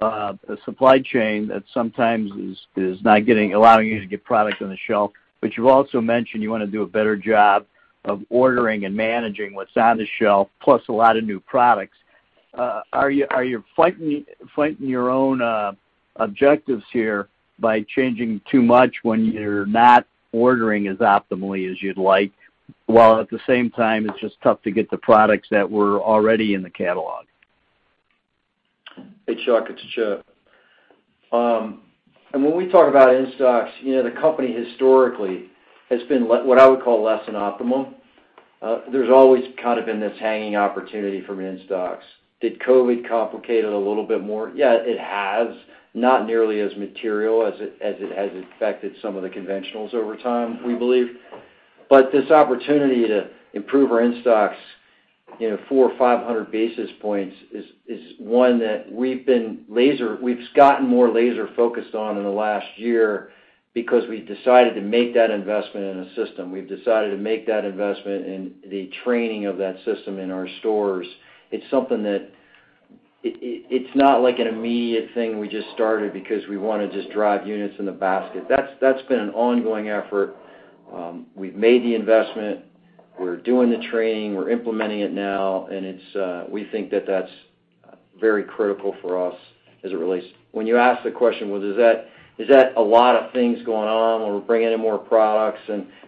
a supply chain that sometimes is not allowing you to get product on the shelf, but you've also mentioned you wanna do a better job of ordering and managing what's on the shelf, plus a lot of new products. Are you fighting your own objectives here by changing too much when you're not ordering as optimally as you'd like, while at the same time, it's just tough to get the products that were already in the catalog? Hey, Chuck. It's Chuck. When we talk about in-stocks, you know, the company historically has been what I would call less than optimal. There's always kind of been this hanging opportunity from in-stocks. Did COVID complicate it a little bit more? Yeah, it has. Not nearly as material as it has affected some of the conventionals over time, we believe. This opportunity to improve our in-stocks, you know, 400 or 500 basis points is one that we've gotten more laser focused on in the last year because we've decided to make that investment in a system. We've decided to make that investment in the training of that system in our stores. It's something that it's not like an immediate thing we just started because we wanna just drive units in the basket. That's been an ongoing effort. We've made the investment. We're doing the training. We're implementing it now, and it's we think that that's very critical for us as it relates. When you ask the question, well, is that a lot of things going on when we're bringing in more products?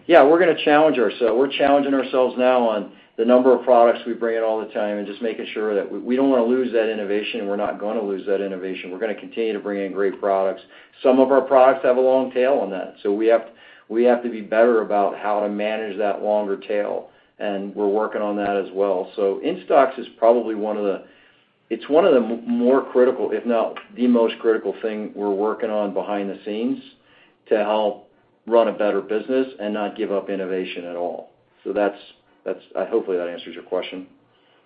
Yeah, we're gonna challenge ourselves. We're challenging ourselves now on the number of products we bring in all the time and just making sure that we don't wanna lose that innovation. We're not gonna lose that innovation. We're gonna continue to bring in great products. Some of our products have a long tail on that, so we have to be better about how to manage that longer tail, and we're working on that as well. In-stocks is probably one of the It's one of the more critical, if not the most critical thing we're working on behind the scenes to help run a better business and not give up innovation at all. Hopefully, that answers your question.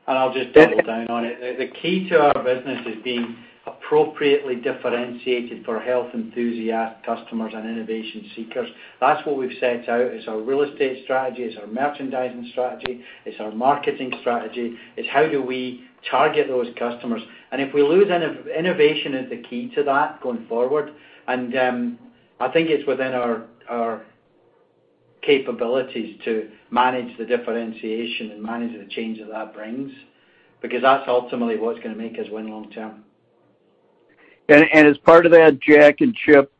I'll just double down on it. The key to our business is being appropriately differentiated for health enthusiast customers and innovation seekers. That's what we've set out. It's our real estate strategy, it's our merchandising strategy, it's our marketing strategy. It's how do we target those customers. Innovation is the key to that going forward. I think it's within our capabilities to manage the differentiation and manage the change that that brings because that's ultimately what's gonna make us win long term. As part of that, Jack and Chip,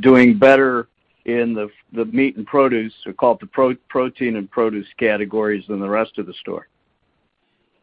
doing better in the meat and produce, we call it the protein and produce categories than the rest of the store.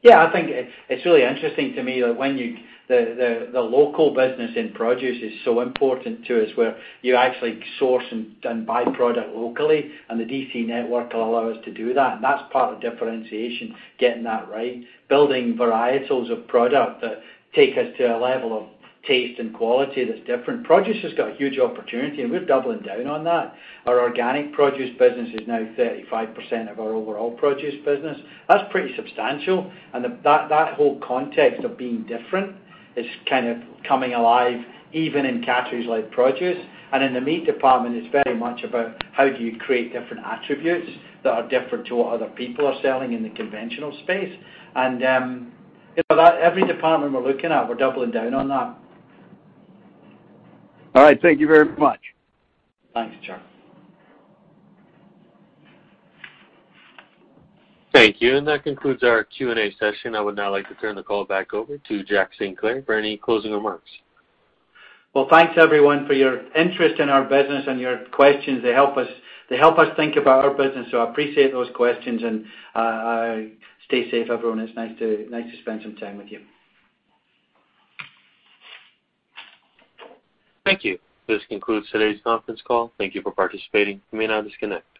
Yeah. I think it's really interesting to me that the local business in produce is so important to us, where you actually source and buy product locally, and the DC network allow us to do that. That's part of differentiation, getting that right. Building varietals of product that take us to a level of taste and quality that's different. Produce has got huge opportunity, and we're doubling down on that. Our organic produce business is now 35% of our overall produce business. That's pretty substantial. That whole context of being different is kind of coming alive, even in categories like produce. In the meat department, it's very much about how do you create different attributes that are different to what other people are selling in the conventional space. You know, that every department we're looking at, we're doubling down on that. All right. Thank you very much. Thanks, Charles. Thank you. That concludes our Q&A session. I would now like to turn the call back over to Jack Sinclair for any closing remarks. Well, thanks, everyone, for your interest in our business and your questions. They help us think about our business, so I appreciate those questions. Stay safe, everyone. It's nice to spend some time with you. Thank you. This concludes today's conference call. Thank you for participating. You may now disconnect.